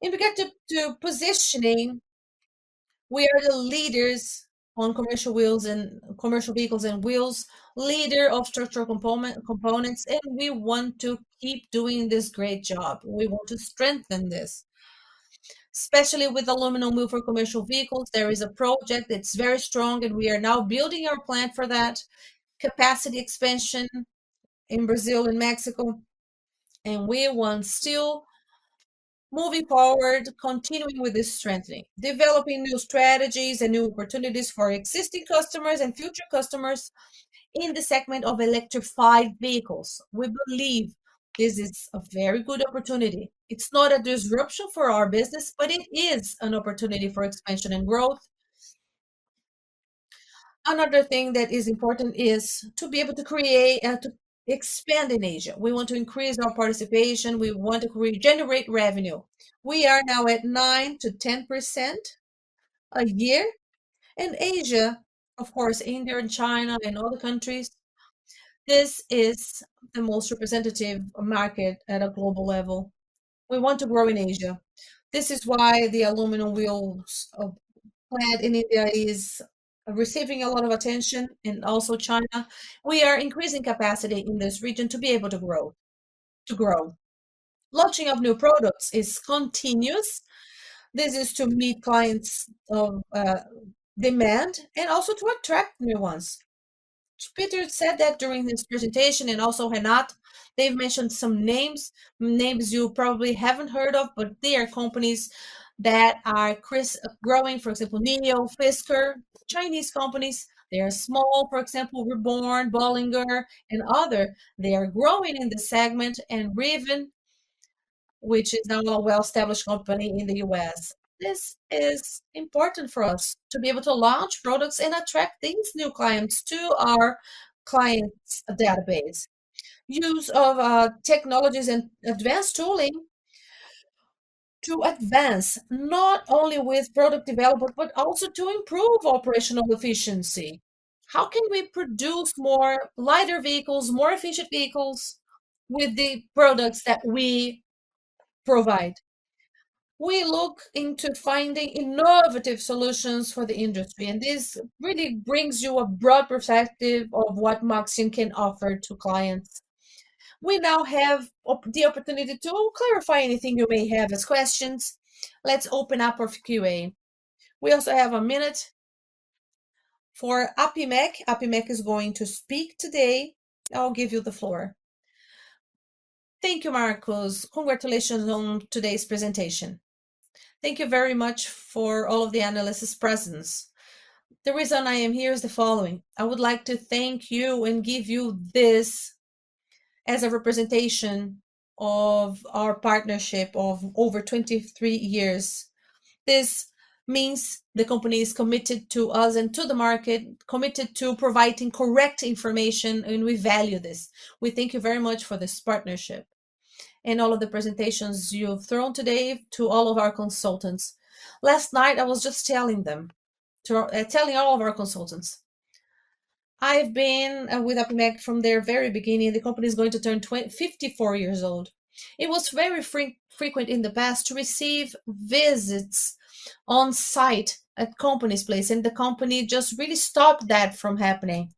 If we get to positioning, we are the leaders on commercial wheels and commercial vehicles and wheels, leader of structural components, and we want to keep doing this great job. We want to strengthen this, especially with aluminum wheel for commercial vehicles. There is a project that's very strong, and we are now building our plan for that capacity expansion in Brazil and Mexico, and we want still, moving forward, continuing with this strengthening, developing new strategies and new opportunities for existing customers and future customers in the segment of electrified vehicles. We believe this is a very good opportunity. It's not a disruption for our business, but it is an opportunity for expansion and growth. Another thing that is important is to be able to create and to expand in Asia. We want to increase our participation. We want to generate revenue. We are now at 9%-10% a year. In Asia, of course, India and China and other countries, this is the most representative market at a global level. We want to grow in Asia. This is why the aluminum wheels plant in India is receiving a lot of attention, and also China. We are increasing capacity in this region to be able to grow. Launching of new products is continuous. This is to meet clients' demand and also to attract new ones. Pieter said that during his presentation, and also Renato, they've mentioned some names you probably haven't heard of, but they are companies that are growing. For example, NIO, Fisker, Chinese companies. They are small. For example, Reborn, Bollinger, and other. They are growing in the segment. Rivian, which is now a well-established company in the US. This is important for us, to be able to launch products and attract these new clients to our clients' database. Use of technologies and advanced tooling to advance not only with product development but also to improve operational efficiency. How can we produce more lighter vehicles, more efficient vehicles with the products that we provide? We look into finding innovative solutions for the industry, and this really brings you a broad perspective of what Maxion can offer to clients. We now have. the opportunity to clarify anything you may have as questions. Let's open up our Q&A. We also have a minute for APIMEC. APIMEC is going to speak today. I'll give you the floor. Thank you, Marcos. Congratulations on today's presentation. Thank you very much for all of the analysts' presence. The reason I am here is the following: I would like to thank you and give you this as a representation of our partnership of over 23 years. This means the company is committed to us and to the market, committed to providing correct information, and we value this. We thank you very much for this partnership and all of the presentations you've thrown today to all of our consultants. Last night, I was just telling them, telling all of our consultants. I've been with APIMEC from their very beginning. The company is going to turn 54 years old. It was very frequent in the past to receive visits on site at company's place, the company just really stopped that from happening.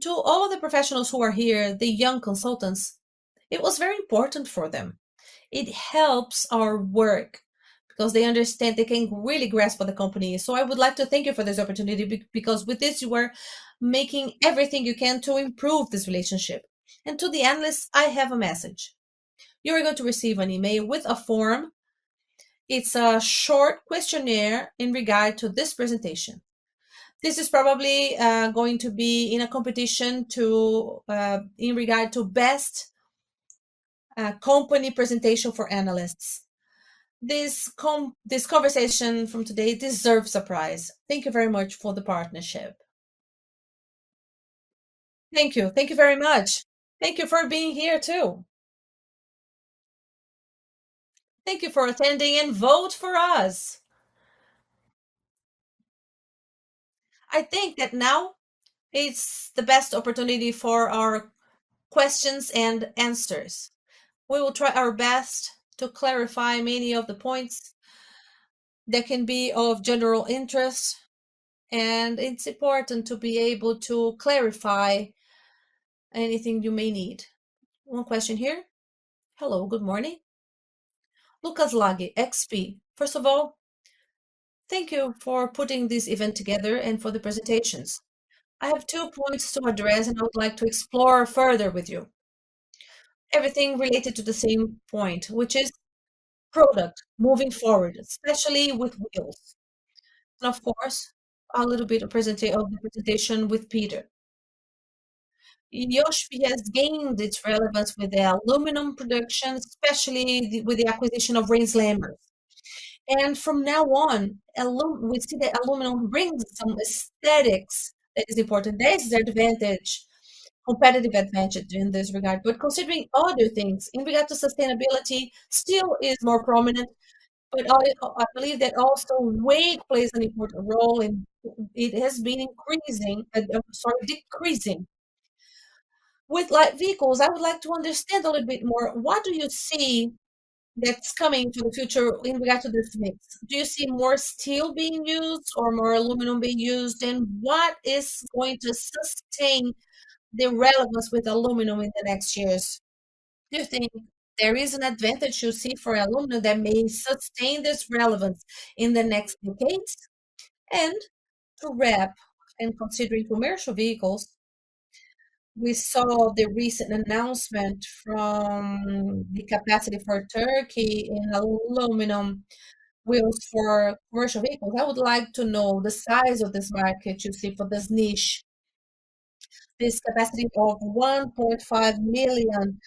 To all the professionals who are here, the young consultants, it was very important for them. It helps our work because they understand they can really grasp for the company. I would like to thank you for this opportunity because with this, you are making everything you can to improve this relationship. To the analysts, I have a message. You are going to receive an email with a short questionnaire in regard to this presentation. This is probably going to be in a competition to in regard to best company presentation for analysts. This conversation from today deserves a prize. Thank you very much for the partnership. Thank you. Thank you very much. Thank you for being here too. Thank you for attending, and vote for us. I think that now is the best opportunity for our questions and answers. We will try our best to clarify many of the points that can be of general interest, and it's important to be able to clarify anything you may need. One question here. Hello, good morning. Lucas Laghi, XP. First of all, thank you for putting this event together and for the presentations. I have two points to address, and I would like to explore further with you. Everything related to the same point, which is product moving forward, especially with wheels, and of course, a little bit of the presentation with Pieter. Ineos has gained its relevance with the aluminum production, especially with the acquisition of Ronal. From now on, we see the aluminum brings some aesthetics that is important. This is competitive advantage in this regard. Considering other things in regard to sustainability, steel is more prominent. I believe that also weight plays an important role, and it has been increasing, sorry, decreasing. With light vehicles, I would like to understand a little bit more, what do you see that's coming to the future in regard to this mix? Do you see more steel being used or more aluminum being used? What is going to sustain the relevance with aluminum in the next years? Do you think there is an advantage you see for aluminum that may sustain this relevance in the next decades? To wrap, in considering commercial vehicles, we saw the recent announcement from the capacity for Turkey in aluminum wheels for commercial vehicles. I would like to know the size of this market you see for this niche. This capacity of 1.5 million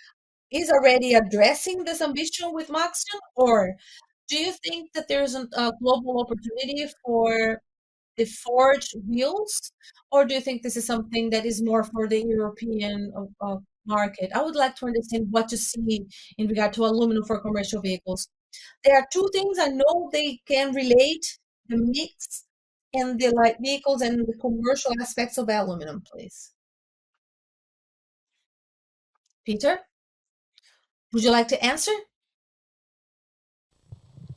is already addressing this ambition with Maxion, or do you think that there is a global opportunity for the forged wheels, or do you think this is something that is more for the European market? I would like to understand what you see in regard to aluminum for commercial vehicles. There are two things I know they can relate, the mix and the light vehicles and the commercial aspects of aluminum, please. Pieter, would you like to answer?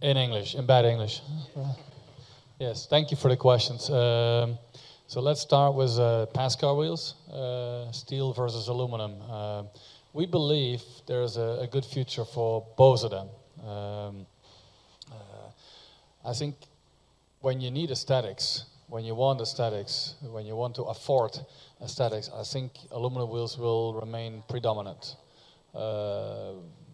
In English. In bad English. Yes, thank you for the questions. Let's start with passenger car wheels, steel versus aluminum. We believe there's a good future for both of them. I think when you need aesthetics, when you want aesthetics, when you want to afford aesthetics, I think aluminum wheels will remain predominant.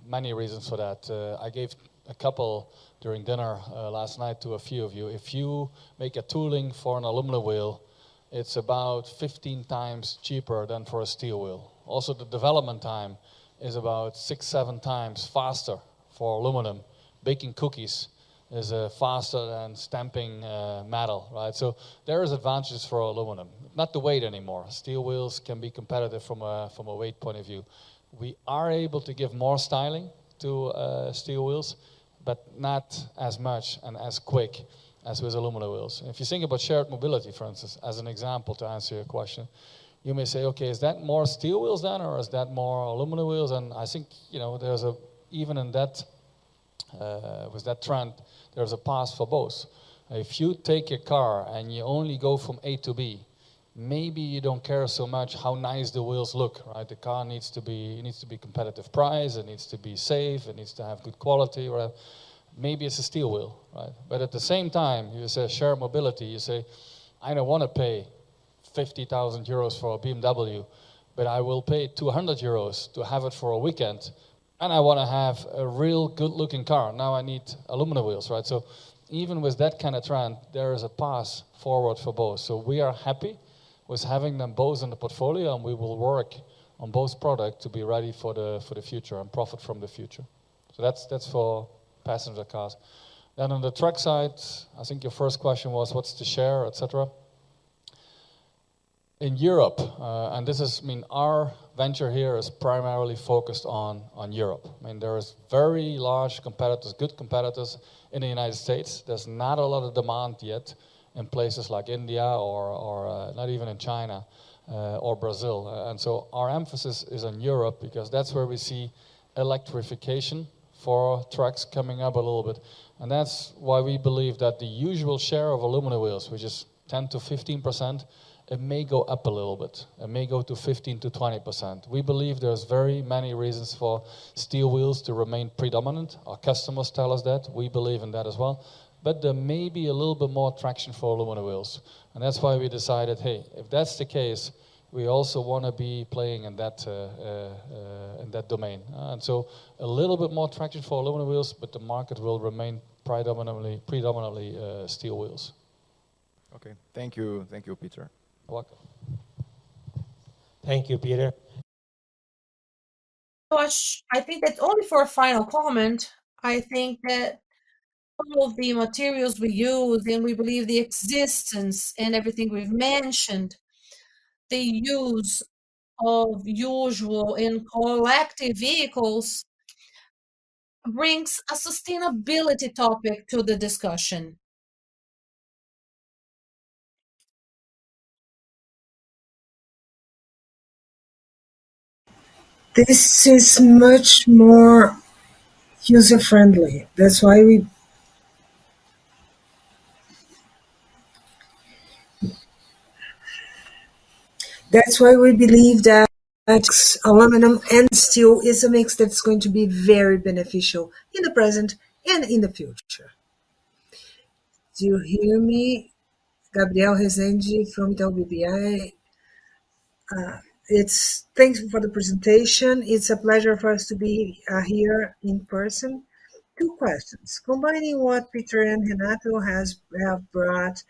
Many reasons for that. I gave a couple during dinner last night to a few of you. If you make a tooling for an aluminum wheel, it's about 15 times cheaper than for a steel wheel. Also, the development time is about 6, 7 times faster for aluminum. Baking cookies is faster than stamping metal, right? There is advantages for aluminum, not the weight anymore. Steel wheels can be competitive from a weight point of view. We are able to give more styling to steel wheels, but not as much and as quick as with aluminum wheels. If you think about shared mobility, for instance, as an example to answer your question, you may say, okay, is that more steel wheels then or is that more aluminum wheels? I think, you know, even in that with that trend, there's a path for both. If you take a car and you only go from A to B, maybe you don't care so much how nice the wheels look, right? The car needs to be competitive price, it needs to be safe, it needs to have good quality, right? Maybe it's a steel wheel, right? At the same time, you say shared mobility, you say, "I don't wanna pay 50,000 euros for a BMW, but I will pay 200 euros to have it for a weekend, and I wanna have a real good-looking car." I need aluminum wheels, right? Even with that kind of trend, there is a path forward for both. We are happy with having them both in the portfolio, and we will work on both product to be ready for the future and profit from the future. That's for passenger cars. On the truck side, I think your first question was what's the share, et cetera. In Europe, I mean, our venture here is primarily focused on Europe. I mean, there is very large competitors, good competitors in the United States. There's not a lot of demand yet in places like India or, not even in China, or Brazil. Our emphasis is on Europe because that's where we see electrification for trucks coming up a little bit. That's why we believe that the usual share of aluminum wheels, which is 10%-15%, it may go up a little bit. It may go to 15%-20%. We believe there's very many reasons for steel wheels to remain predominant. Our customers tell us that. We believe in that as well. There may be a little bit more traction for aluminum wheels, and that's why we decided, hey, if that's the case, we also wanna be playing in that domain. A little bit more traction for aluminum wheels, but the market will remain predominantly steel wheels. Okay. Thank you. Thank you, Piieter. You're welcome. Thank you, Pieter Klinkers. I think that only for a final comment, I think that some of the materials we use and we believe the existence and everything we've mentioned, the use of usual and collective vehicles brings a sustainability topic to the discussion. This is much more user-friendly. That's why we believe that aluminum and steel is a mix that's going to be very beneficial in the present and in the future. Do you hear me? Gabriel Rezende from BBBI. Thank you for the presentation. It's a pleasure for us to be here in person. Two questions. Combining what Pieter and Renato have brought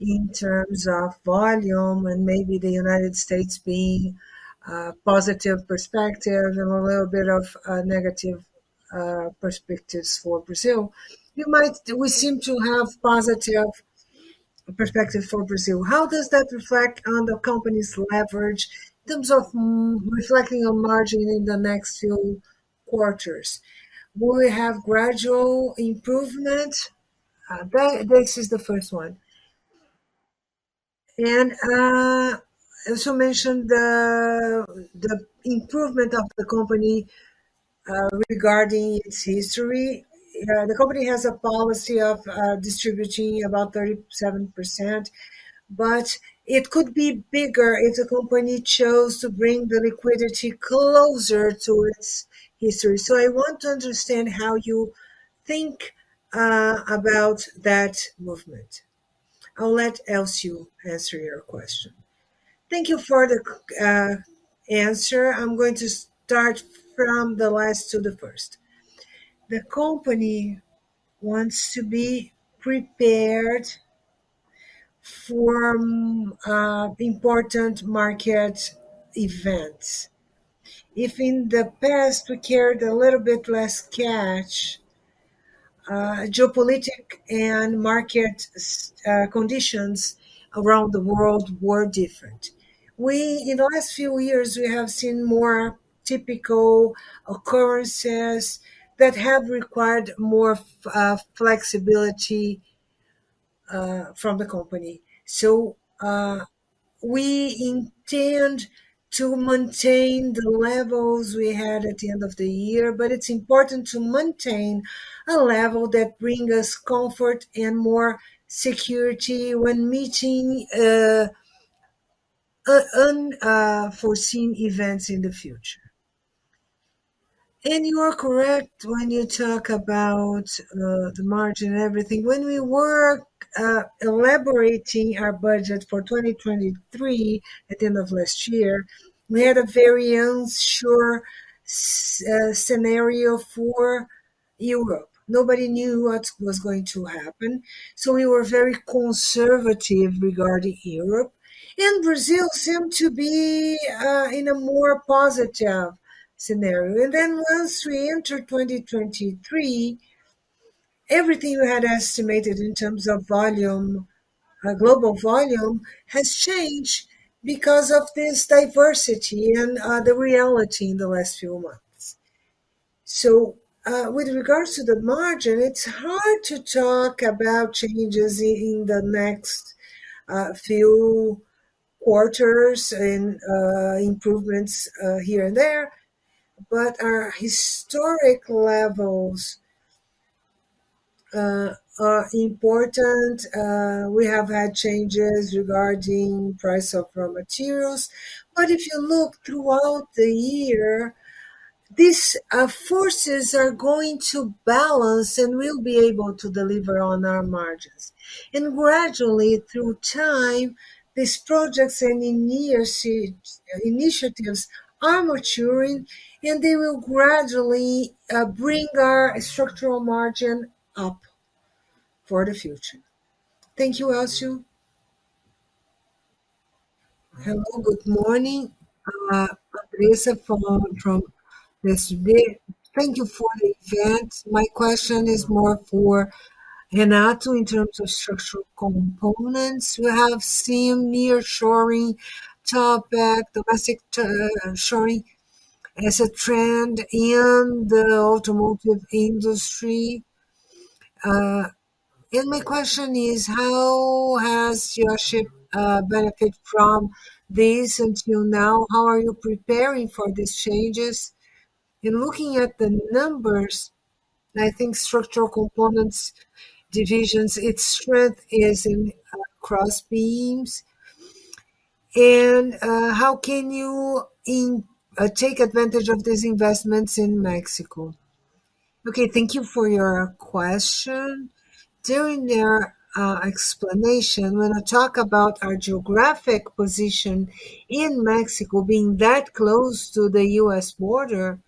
in terms of volume and maybe the United States being a positive perspective and a little bit of negative perspectives for Brazil, we seem to have positive perspective for Brazil. How does that reflect on the company's leverage in terms of reflecting a margin in the next few quarters? Will we have gradual improvement? This is the first one. Also mention the improvement of the company regarding its history. The company has a policy of distributing about 37%, but it could be bigger if the company chose to bring the liquidity closer to its history. I want to understand how you think about that movement. I'll let Elcio answer your question. Thank you for the answer. I'm going to start from the last to the first. The company wants to be prepared for important market events. If in the past we carried a little bit less cash, geopolitical and market conditions around the world were different. We... In the last few years, we have seen more typical occurrences that have required more flexibility from the company. We intend to maintain the levels we had at the end of the year, but it's important to maintain a level that bring us comfort and more security when meeting unforeseen events in the future. You are correct when you talk about the margin and everything. When we were elaborating our budget for 2023 at the end of last year, we had a very unsure scenario for Europe. Nobody knew what was going to happen, so we were very conservative regarding Europe. Brazil seemed to be in a more positive scenario. Once we entered 2023, everything we had estimated in terms of volume, global volume has changed because of this diversity and the reality in the last few months. With regards to the margin, it's hard to talk about changes in the next few quarters and improvements here and there, but our historic levels are important. We have had changes regarding price of raw materials. If you look throughout the year, these forces are going to balance, and we'll be able to deliver on our margins. Gradually, through time, these projects and initiatives are maturing, and they will gradually bring our structural margin up for the future. Thank you, Elcio. Hello, good morning. Patricia from SVB. Thank you for the event. My question is more for Renato in terms of structural components. We have seen nearshoring topic, domestic shoring as a trend in the automotive industry. My question is: How has lochpe benefit from this until now? How are you preparing for these changes? In looking at the numbers, I think structural components division's, its strength is in cross beams. How can you take advantage of these investments in Mexico? Okay, thank you for your question. During their explanation, when I talk about our geographic position in Mexico being that close to the U.S. border.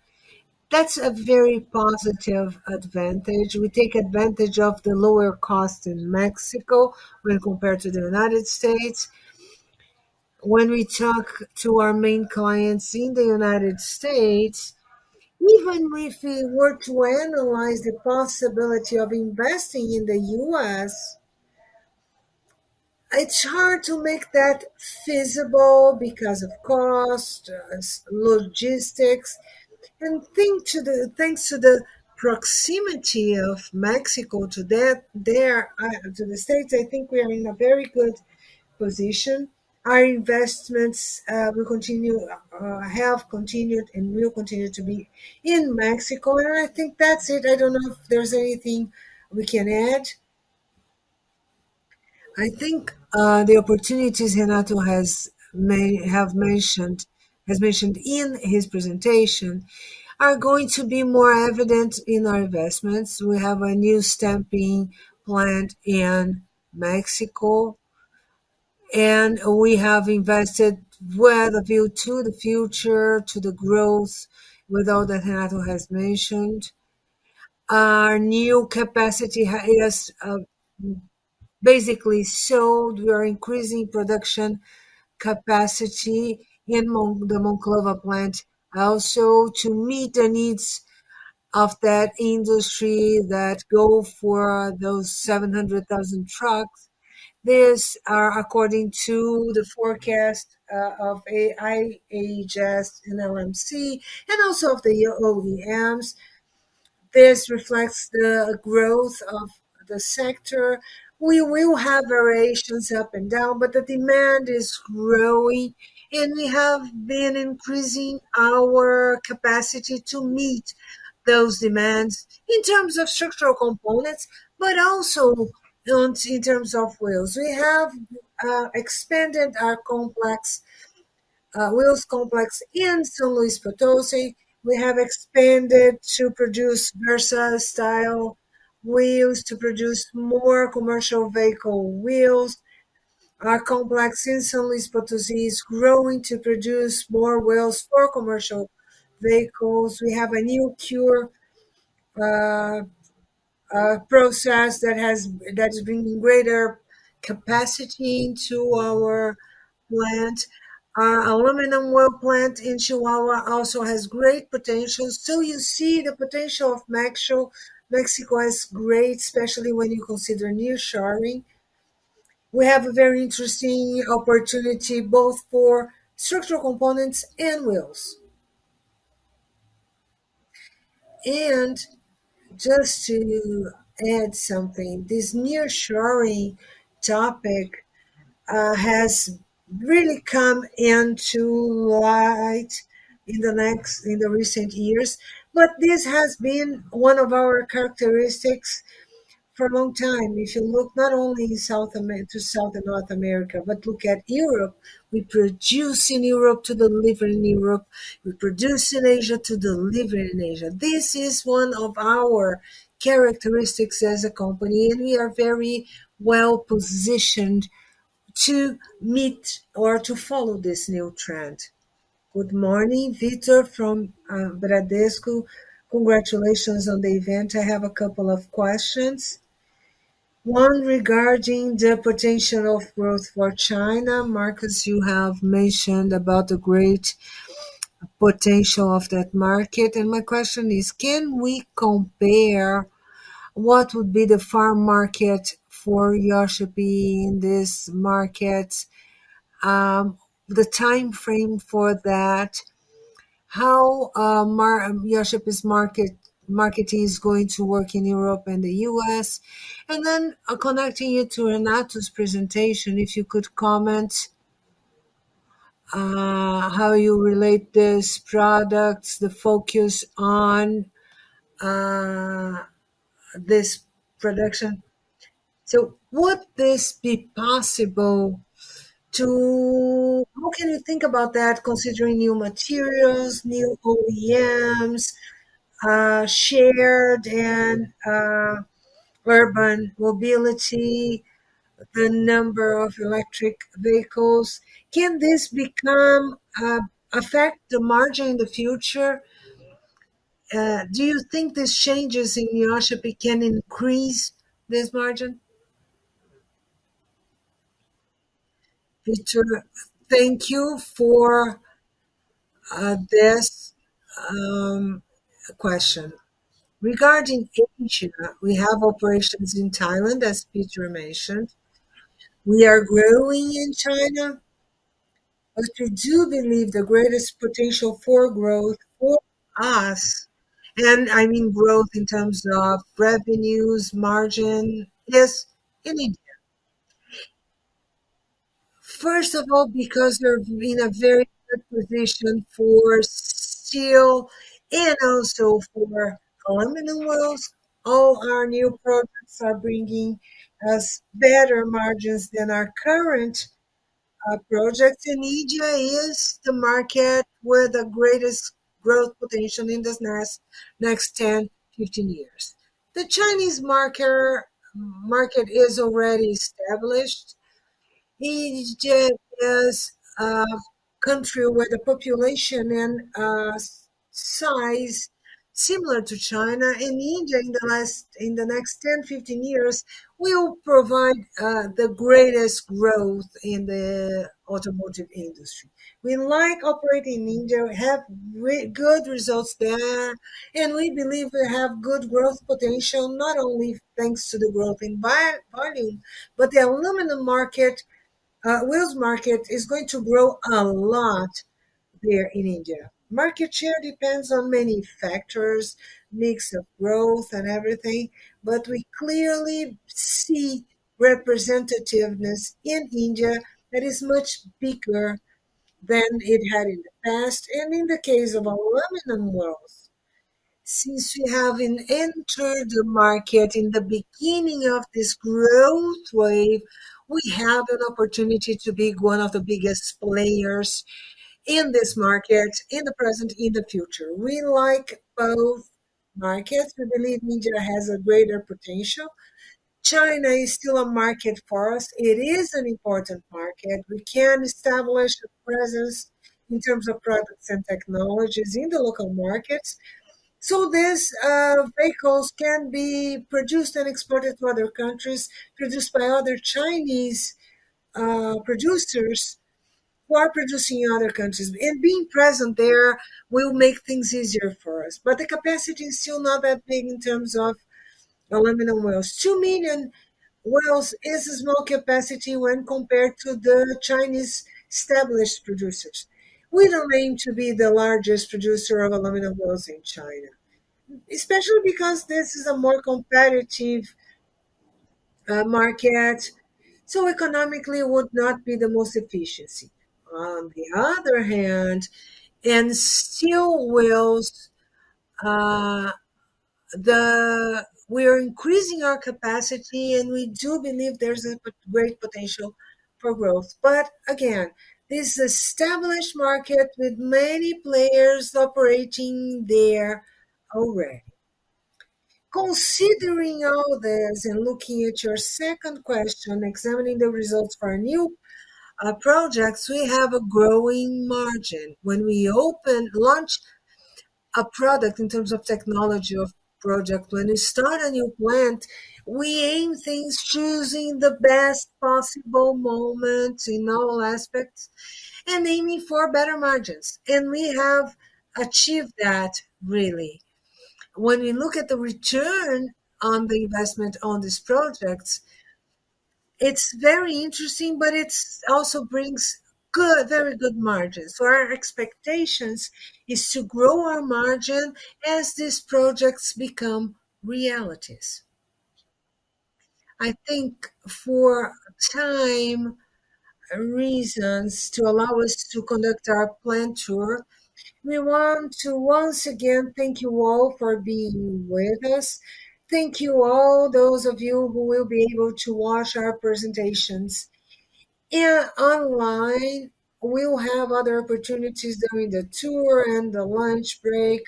That's a very positive advantage. We take advantage of the lower cost in Mexico when compared to the United States. When we talk to our main clients in the United States, even if we were to analyze the possibility of investing in the U.S., it's hard to make that feasible because of cost, logistics. Thanks to the proximity of Mexico to that there, to the States, I think we are in a very good position. Our investments will continue, have continued and will continue to be in Mexico. I think that's it. I don't know if there's anything we can add. I think the opportunities Renato has mentioned in his presentation are going to be more evident in our investments. We have a new stamping plant in Mexico. We have invested with a view to the future, to the growth with all that Renato has mentioned. Our new capacity has basically showed we are increasing production capacity in the Monclova plant also to meet the needs of that industry that go for those 700,000 trucks. This are according to the forecast of IHS and LMC, and also of the OEMs. This reflects the growth of the sector. We will have variations up and down, but the demand is growing, and we have been increasing our capacity to meet those demands in terms of structural components, but also in terms of wheels. We have expanded our complex wheels complex in San Luis Potosí. We have expanded to produce VersaStyle wheels, to produce more commercial vehicle wheels. Our complex in San Luis Potosí is growing to produce more wheels for commercial vehicles. We have a new cure process that's bringing greater capacity into our plant. Our aluminum wheel plant in Chihuahua also has great potential. you see the potential of Mexico is great, especially when you consider nearshoring. We have a very interesting opportunity both for structural components and wheels. Just to add something, this nearshoring topic has really come into light in the recent years, but this has been one of our characteristics for a long time. If you look not only to South and North America, but look at Europe, we produce in Europe to deliver in Europe, we produce in Asia to deliver in Asia. This is one of our characteristics as a company, and we are very well-positioned to meet or to follow this new trend. Good morning, Victor from Bradesco. Congratulations on the event. I have a couple of questions. One regarding the potential of growth for China. Marcos, you have mentioned about the great potential of that market. My question is: Can we compare what would be the farm market for Iaşii in this market? The timeframe for that, how Iaşii's market-marketing is going to work in Europe and the US? Connecting it to Renato's presentation, if you could comment, how you relate these products, the focus on this production. Would this be possible to... How can you think about that considering new materials, new OEMs, shared and urban mobility, the number of electric vehicles? Can this become affect the margin in the future? Do you think these changes in Iaşii can increase this margin? Victor, thank you for this question. Regarding Asia, we have operations in Thailand, as Pieter mentioned. We are growing in China, but we do believe the greatest potential for growth for us, and I mean growth in terms of revenues, margin, is India. First of all, because they're in a very good position for steel and also for aluminum wheels. All our new products are bringing us better margins than our current projects. India is the market with the greatest growth potential in this next 10-15 years. The Chinese market is already established. India is a country where the population and size similar to China. India in the next 10-15 years will provide the greatest growth in the automotive industry. We like operating in India. We have good results there. We believe we have good growth potential, not only thanks to the growth in volume, but the aluminum wheels market is going to grow a lot there in India. Market share depends on many factors, mix of growth and everything, but we clearly see representativeness in India that is much bigger than it had in the past. In the case of aluminum wheels, since we have entered the market in the beginning of this growth wave, we have an opportunity to be one of the biggest players in this market in the present, in the future. We like both markets. We believe India has a greater potential. China is still a market for us. It is an important market. We can establish a presence in terms of products and technologies in the local markets. These vehicles can be produced and exported to other countries, produced by other Chinese producers who are producing in other countries. Being present there will make things easier for us. The capacity is still not that big in terms of aluminum wheels. 2 million wheels is a small capacity when compared to the Chinese established producers. We don't aim to be the largest producer of aluminum wheels in China, especially because this is a more competitive market, so economically it would not be the most efficiency. In steel wheels, we're increasing our capacity, and we do believe there's a great potential for growth. This established market with many players operating there already. Considering all this and looking at your second question, examining the results for our new projects, we have a growing margin. When we launch a product in terms of technology of project, when we start a new plant, we aim things choosing the best possible moment in all aspects and aiming for better margins. We have achieved that really. When we look at the return on the investment on these projects, it's very interesting. It's also brings very good margins. Our expectations is to grow our margin as these projects become realities. I think for time reasons to allow us to conduct our plant tour, we want to once again thank you all for being with us. Thank you all those of you who will be able to watch our presentations online. We will have other opportunities during the tour and the lunch break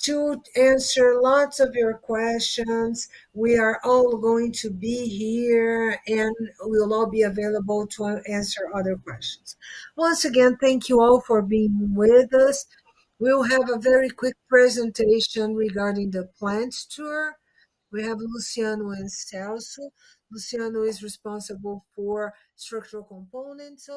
to answer lots of your questions. We are all going to be here. We will all be available to answer other questions. Once again, thank you all for being with us. We will have a very quick presentation regarding the plant tour. We have Luciano and Celso. Luciano is responsible for structural components.